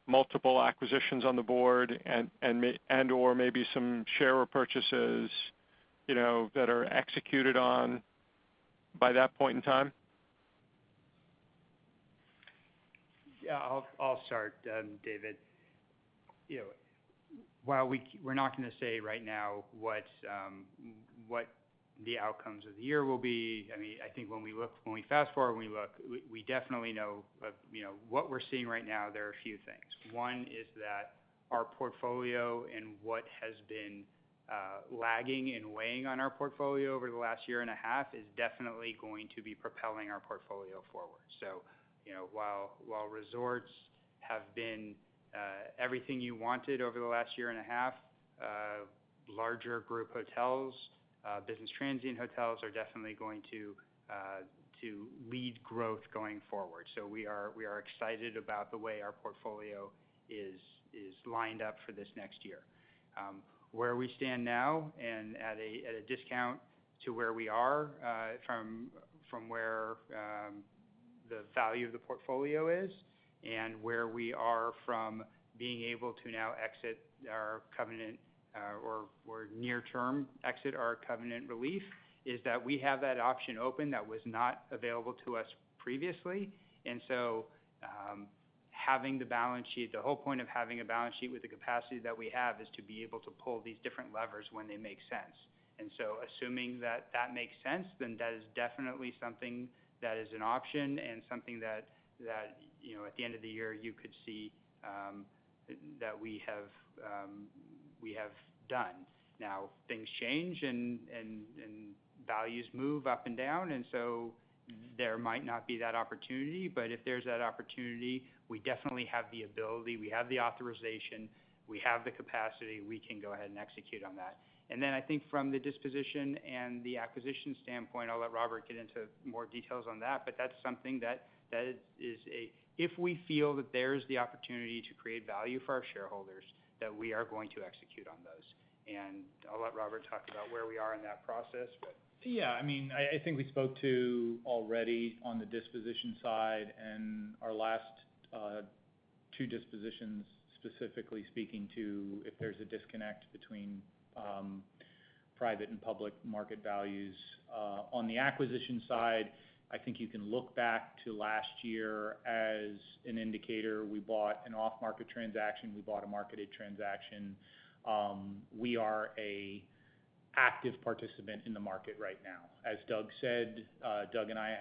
multiple acquisitions on the board and/or maybe some share repurchases, you know, that are executed on by that point in time? Yeah, I'll start, David. You know, while we're not gonna say right now what the outcomes of the year will be. I mean, I think when we fast-forward, when we look, we definitely know of, you know, what we're seeing right now, there are a few things. One is that our portfolio and what has been lagging and weighing on our portfolio over the last year and a half is definitely going to be propelling our portfolio forward. You know, while resorts have been everything you wanted over the last year and a half, larger group hotels, business transient hotels are definitely going to lead growth going forward. We are excited about the way our portfolio is lined up for this next year. Where we stand now and at a discount to where we are from where the value of the portfolio is and where we are from being able to now exit our covenant or near term exit our covenant relief is that we have that option open that was not available to us previously. Having the balance sheet, the whole point of having a balance sheet with the capacity that we have is to be able to pull these different levers when they make sense. Assuming that that makes sense, then that is definitely something that is an option and something that you know at the end of the year you could see that we have done. Now things change and values move up and down, and so there might not be that opportunity. If there's that opportunity, we definitely have the ability, we have the authorization, we have the capacity, we can go ahead and execute on that. Then I think from the disposition and the acquisition standpoint, I'll let Robert get into more details on that, but that's something that. If we feel that there's the opportunity to create value for our shareholders, we are going to execute on those. I'll let Robert talk about where we are in that process. Yeah. I mean, I think we spoke to already on the disposition side and our last two dispositions, specifically speaking to if there's a disconnect between private and public market values. On the acquisition side, I think you can look back to last year as an indicator. We bought an off-market transaction, we bought a marketed transaction. We are an active participant in the market right now. As Doug said, Doug and I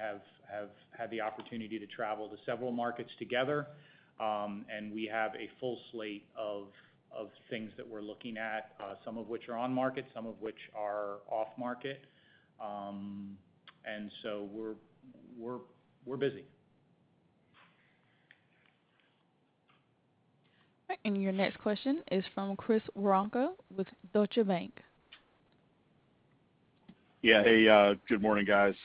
have had the opportunity to travel to several markets together, and we have a full slate of things that we're looking at, some of which are on market, some of which are off market. We're busy. Your next question is from Chris Woronka with Deutsche Bank. Yeah. Hey, good morning, guys.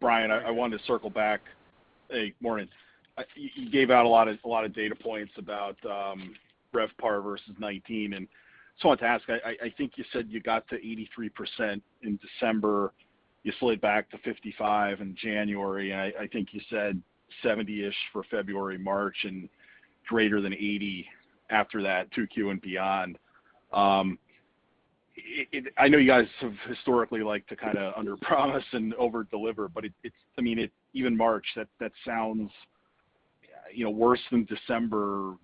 Bryan, I wanted to circle back. Hey, morning. You gave out a lot of data points about RevPAR versus 2019, and just wanted to ask. I think you said you got to 83% in December. You slid back to 55% in January. I think you said 70-ish% for February, March, and greater than 80% after that, 2Q and beyond. I know you guys have historically liked to kind of under promise and overdeliver, but it's I mean, it even March, that sounds, you know, worse than December,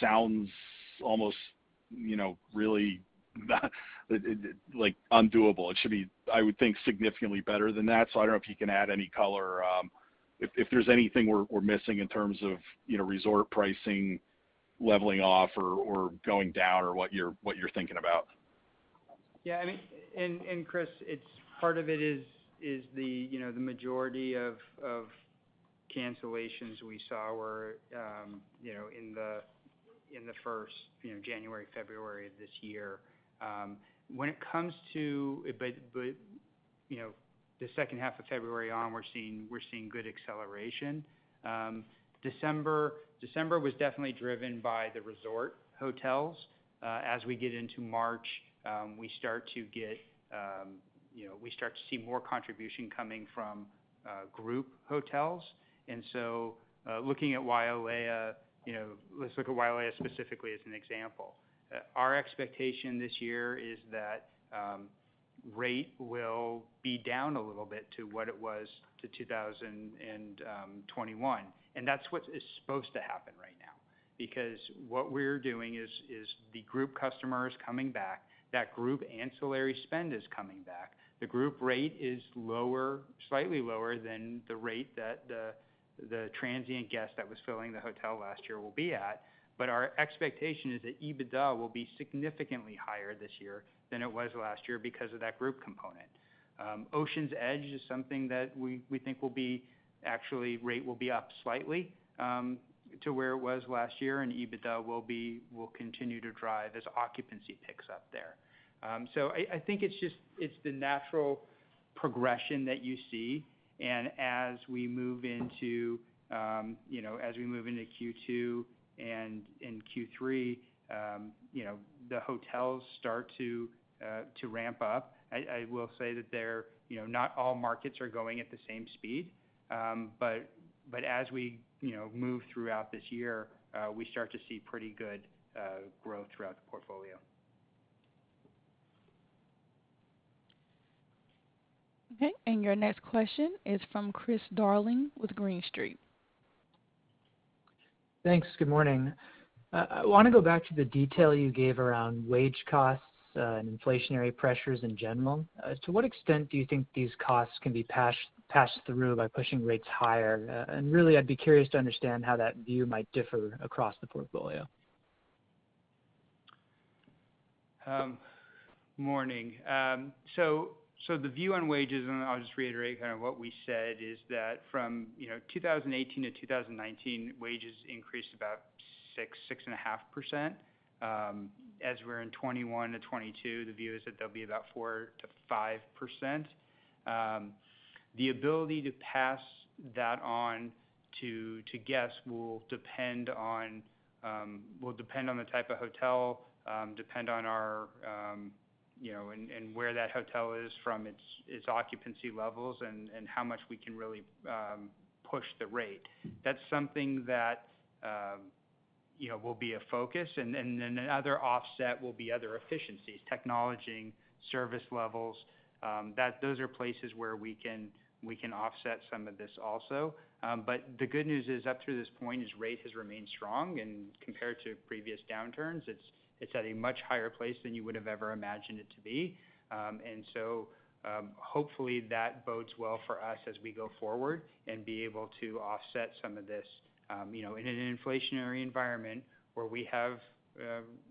sounds almost, you know, really like undoable. It should be, I would think, significantly better than that. I don't know if you can add any color if there's anything we're missing in terms of, you know, resort pricing leveling off or going down or what you're thinking about. Yeah, I mean, Chris, part of it is the majority of cancellations we saw were you know in the first you know January, February of this year. You know, the second half of February on, we're seeing good acceleration. December was definitely driven by the resort hotels. As we get into March, we start to see more contribution coming from group hotels. Looking at Wailea, you know, let's look at Wailea specifically as an example. Our expectation this year is that rate will be down a little bit to what it was to 2021. That's what is supposed to happen right now. Because what we're doing is the group customer is coming back, that group ancillary spend is coming back. The group rate is lower, slightly lower than the rate that the transient guest that was filling the hotel last year will be at. But our expectation is that EBITDA will be significantly higher this year than it was last year because of that group component. Oceans Edge is something that we think. Actually, rate will be up slightly to where it was last year, and EBITDA will continue to drive as occupancy picks up there. I think it's just the natural progression that you see. As we move into Q2 and in Q3, the hotels start to ramp up. I will say that they're, you know, not all markets are going at the same speed. But as we, you know, move throughout this year, we start to see pretty good growth throughout the portfolio. Okay. Your next question is from Chris Darling with Green Street. Thanks. Good morning. I wanna go back to the detail you gave around wage costs and inflationary pressures in general. To what extent do you think these costs can be passed through by pushing rates higher? Really I'd be curious to understand how that view might differ across the portfolio. Morning. The view on wages, and I'll just reiterate kind of what we said, is that from you know 2018 to 2019, wages increased about 6%-6.5%. As we're in 2021-2022, the view is that they'll be about 4%-5%. The ability to pass that on to guests will depend on the type of hotel, depend on our you know and where that hotel is from its occupancy levels and how much we can really push the rate. That's something that you know will be a focus. Another offset will be other efficiencies, technology, service levels, that those are places where we can offset some of this also. The good news is up through this point is rate has remained strong, and compared to previous downturns, it's at a much higher place than you would've ever imagined it to be. Hopefully, that bodes well for us as we go forward and be able to offset some of this. You know, in an inflationary environment where we have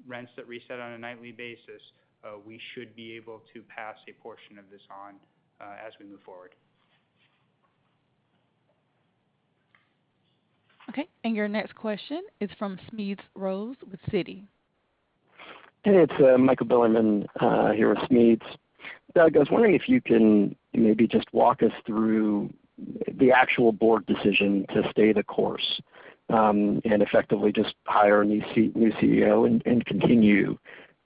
rents that reset on a nightly basis, we should be able to pass a portion of this on as we move forward. Okay. Your next question is from Smedes Rose with Citi. Hey, it's Michael Bilerman here with Smedes. Doug, I was wondering if you can maybe just walk us through the actual board decision to stay the course and effectively just hire a new CEO and continue.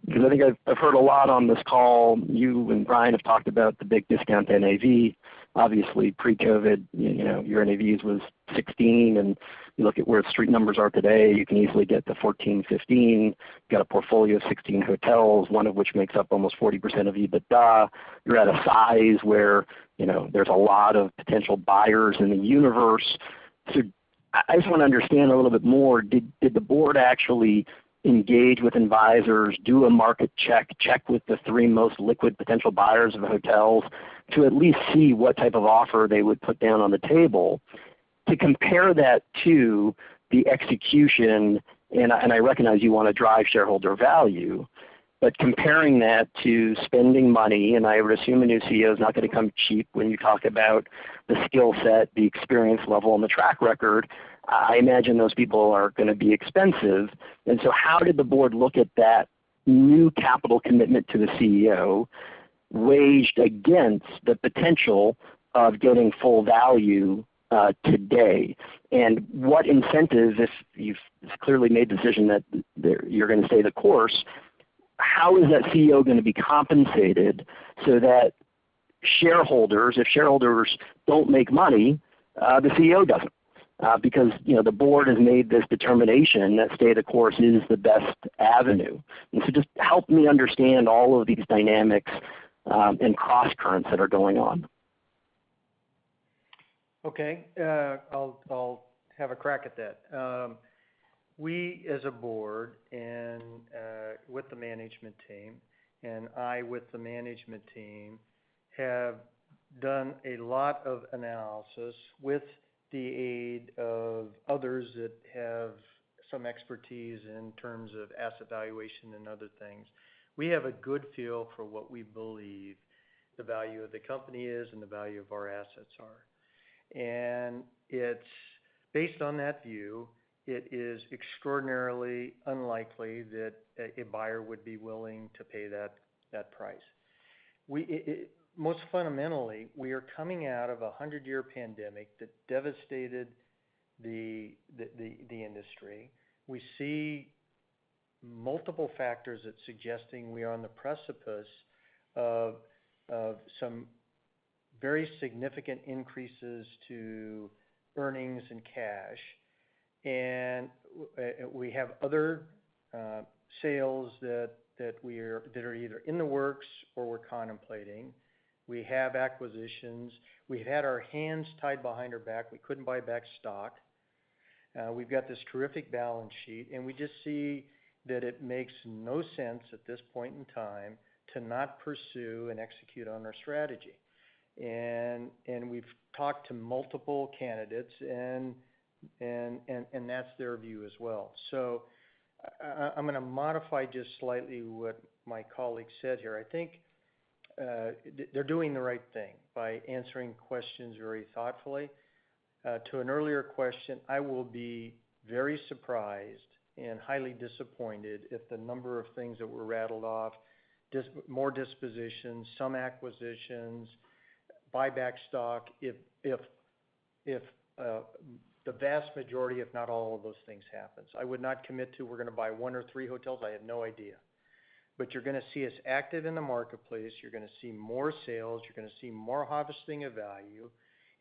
Because I think I've heard a lot on this call, you and Bryan have talked about the big discount to NAV. Obviously pre-COVID, you know, your NAV was 16, and you look at where street numbers are today, you can easily get to 14, 15. Got a portfolio of 16 hotels, one of which makes up almost 40% of EBITDA. You're at a size where, you know, there's a lot of potential buyers in the universe. So I just wanna understand a little bit more. Did the board actually engage with advisors, do a market check with the three most liquid potential buyers of hotels to at least see what type of offer they would put down on the table to compare that to the execution? I recognize you wanna drive shareholder value, but comparing that to spending money, and I assume a new CEO is not gonna come cheap when you talk about the skill set, the experience level and the track record, I imagine those people are gonna be expensive. How did the board look at that new capital commitment to the CEO weighed against the potential of getting full value today? What incentives, if you've clearly made the decision that there you're gonna stay the course, how is that CEO gonna be compensated so that if shareholders don't make money, the CEO doesn't? Because, you know, the board has made this determination that stay the course is the best avenue. Just help me understand all of these dynamics and crosscurrents that are going on. Okay. I'll have a crack at that. We, as a board and with the management team, have done a lot of analysis with the aid of others that have some expertise in terms of asset valuation and other things. We have a good feel for what we believe the value of the company is and the value of our assets are. It's based on that view, it is extraordinarily unlikely that a buyer would be willing to pay that price. Most fundamentally, we are coming out of a 100-year pandemic that devastated the industry. We see multiple factors that's suggesting we are on the precipice of some very significant increases to earnings and cash. We have other sales that are either in the works or we're contemplating. We have acquisitions. We had our hands tied behind our back. We couldn't buy back stock. We've got this terrific balance sheet, and we just see that it makes no sense at this point in time to not pursue and execute on our strategy. We've talked to multiple candidates, and that's their view as well. I'm gonna modify just slightly what my colleague said here. I think they're doing the right thing by answering questions very thoughtfully. To an earlier question, I will be very surprised and highly disappointed if the number of things that were rattled off, dispositions, more dispositions, some acquisitions, buy back stock if the vast majority, if not all, of those things happens. I would not commit to. We're gonna buy one or three hotels. I have no idea. You're gonna see us active in the marketplace, you're gonna see more sales, you're gonna see more harvesting of value.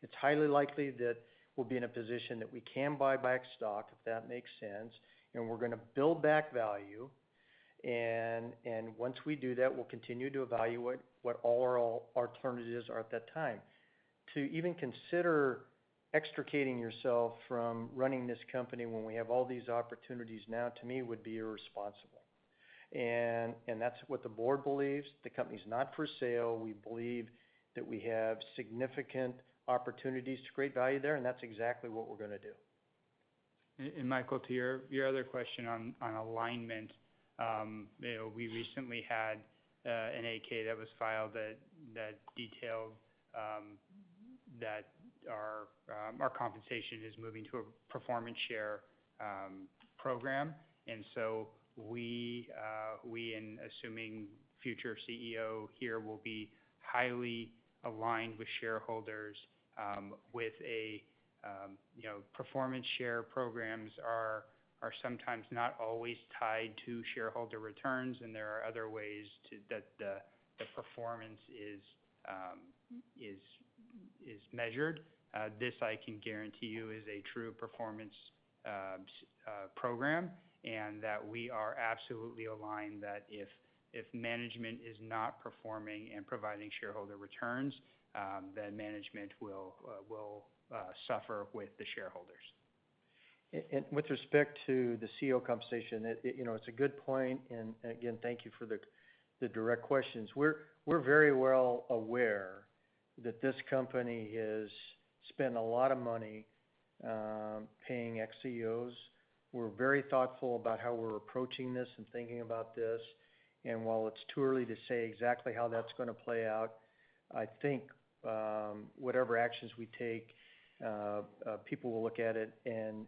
It's highly likely that we'll be in a position that we can buy back stock, if that makes sense, and we're gonna build back value. Once we do that, we'll continue to evaluate what all our alternatives are at that time. To even consider extricating yourself from running this company when we have all these opportunities now to me would be irresponsible. That's what the board believes. The company's not for sale. We believe that we have significant opportunities to create value there, and that's exactly what we're gonna do. Michael, to your other question on alignment. You know, we recently had an 8-K that was filed that detailed that our compensation is moving to a performance share program. We and assuming future CEO here will be highly aligned with shareholders, with a, you know, performance share programs are sometimes not always tied to shareholder returns, and there are other ways that the performance is measured. This I can guarantee you is a true performance program, and that we are absolutely aligned that if management is not performing and providing shareholder returns, then management will suffer with the shareholders. With respect to the CEO compensation, it you know, it's a good point and, again, thank you for the direct questions. We're very well aware that this company has spent a lot of money paying ex-CEOs. We're very thoughtful about how we're approaching this and thinking about this. While it's too early to say exactly how that's gonna play out, I think whatever actions we take, people will look at it and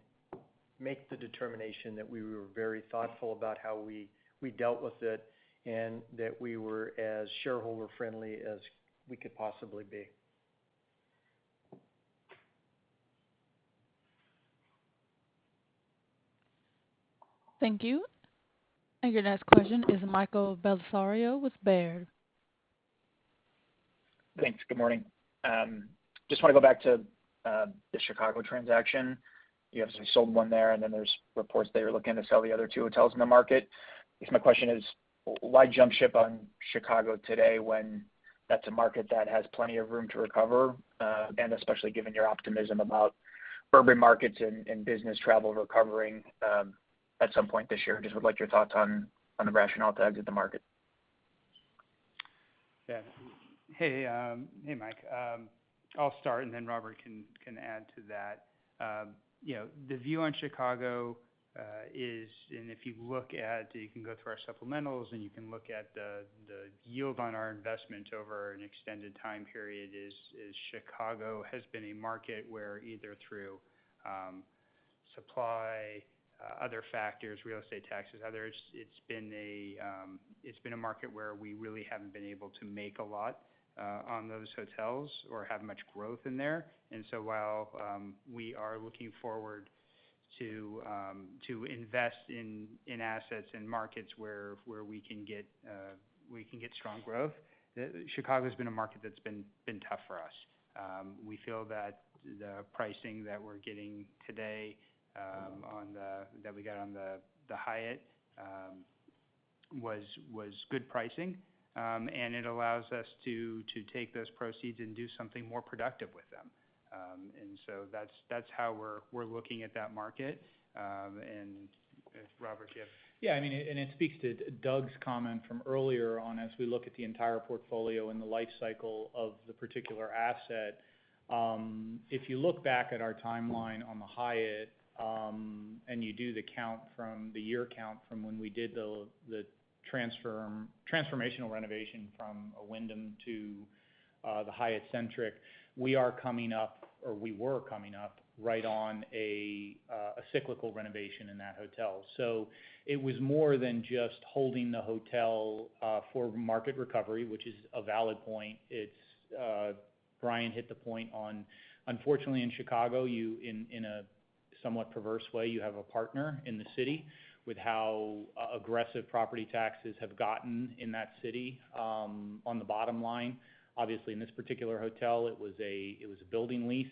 make the determination that we were very thoughtful about how we dealt with it, and that we were as shareholder friendly as we could possibly be. Thank you. Your next question is Michael Bellisario with Baird. Thanks. Good morning. Just wanna go back to the Chicago transaction. You obviously sold one there, and then there's reports that you're looking to sell the other two hotels in the market. I guess my question is why jump ship on Chicago today when that's a market that has plenty of room to recover, and especially given your optimism about urban markets and business travel recovering at some point this year? I just would like your thoughts on the rationale to exit the market. Yeah. Hey, Mike. I'll start and then Robert can add to that. You know, the view on Chicago is, and if you look at, you can go through our supplementals, and you can look at the yield on our investment over an extended time period. Chicago has been a market where either through supply, other factors, real estate taxes, others, it's been a market where we really haven't been able to make a lot on those hotels or have much growth in there. While we are looking forward to invest in assets in markets where we can get strong growth, Chicago's been a market that's been tough for us. We feel that the pricing that we're getting today that we got on the Hyatt was good pricing. It allows us to take those proceeds and do something more productive with them. That's how we're looking at that market. If Robert, you have- Yeah, I mean, it speaks to Doug's comment from earlier on as we look at the entire portfolio and the lifecycle of the particular asset. If you look back at our timeline on the Hyatt, and you do the count from the year count from when we did the transformational renovation from a Wyndham to the Hyatt Centric, we are coming up, or we were coming up right on a cyclical renovation in that hotel. It was more than just holding the hotel for market recovery, which is a valid point. It's, Bryan hit the point on unfortunately in Chicago, you in a somewhat perverse way you have a partner in the city with how aggressive property taxes have gotten in that city, on the bottom line. Obviously, in this particular hotel, it was a building lease.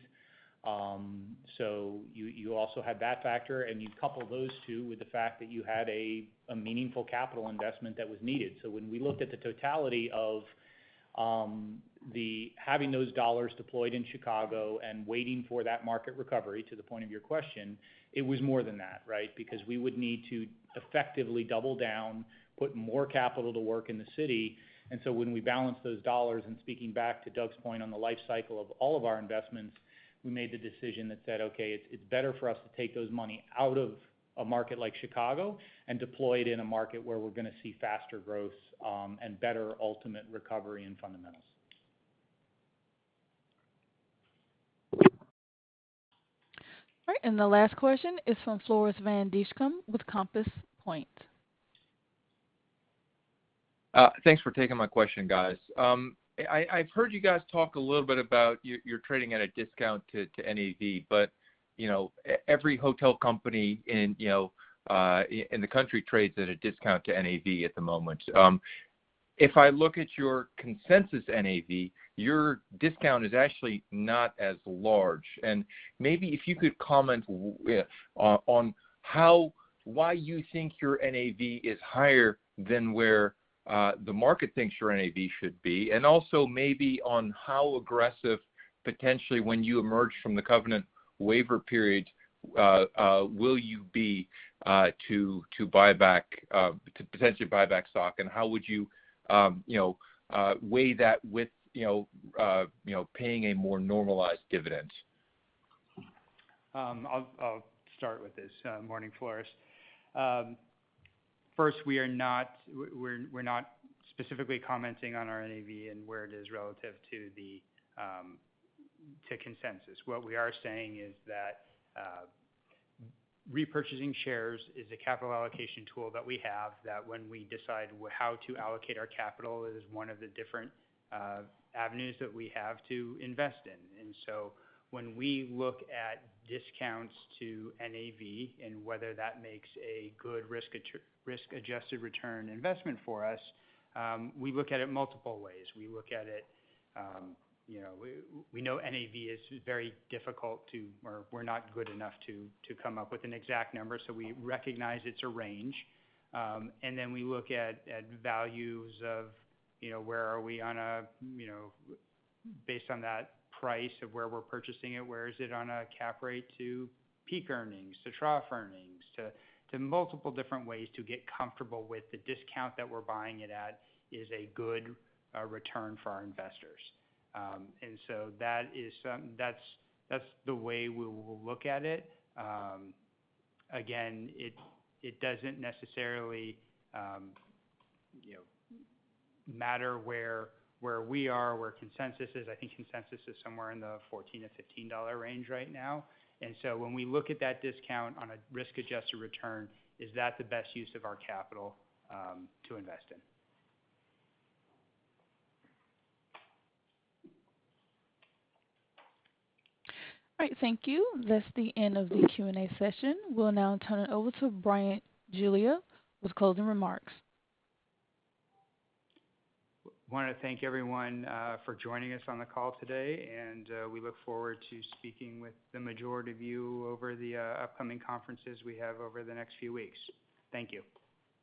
You also had that factor, and you couple those two with the fact that you had a meaningful capital investment that was needed. When we looked at the totality of the having those dollars deployed in Chicago and waiting for that market recovery, to the point of your question, it was more than that, right? Because we would need to effectively double down, put more capital to work in the city. When we balance those dollars, and speaking back to Doug's point on the lifecycle of all of our investments, we made the decision that said, "Okay, it's better for us to take those money out of a market like Chicago and deploy it in a market where we're gonna see faster growth, and better ultimate recovery and fundamentals. All right, the last question is from Floris van Dijkum with Compass Point. Thanks for taking my question, guys. I've heard you guys talk a little bit about you're trading at a discount to NAV, but you know every hotel company in you know in the country trades at a discount to NAV at the moment. If I look at your consensus NAV, your discount is actually not as large. Maybe if you could comment on why you think your NAV is higher than where the market thinks your NAV should be, and also maybe on how aggressive potentially when you emerge from the covenant waiver period will you be to potentially buy back stock? How would you weigh that with paying a more normalized dividend? I'll start with this morning, Floris. First, we're not specifically commenting on our NAV and where it is relative to consensus. What we are saying is that repurchasing shares is a capital allocation tool that we have, that when we decide how to allocate our capital is one of the different avenues that we have to invest in. When we look at discounts to NAV and whether that makes a good risk-adjusted return investment for us, we look at it multiple ways. We look at it, you know, we know NAV is very difficult to, or we're not good enough to come up with an exact number, so we recognize it's a range. We look at values of, you know, where are we on a, you know, based on that price of where we're purchasing it, where is it on a cap rate to peak earnings, to trough earnings, to multiple different ways to get comfortable with the discount that we're buying it at is a good return for our investors. That is the way we will look at it. Again, it doesn't necessarily, you know, matter where we are, where consensus is. I think consensus is somewhere in the $14-$15 range right now. When we look at that discount on a risk-adjusted return, is that the best use of our capital to invest in? All right, thank you. That's the end of the Q&A session. We'll now turn it over to Bryan Giglia with closing remarks. Wanna thank everyone for joining us on the call today, and we look forward to speaking with the majority of you over the upcoming conferences we have over the next few weeks. Thank you.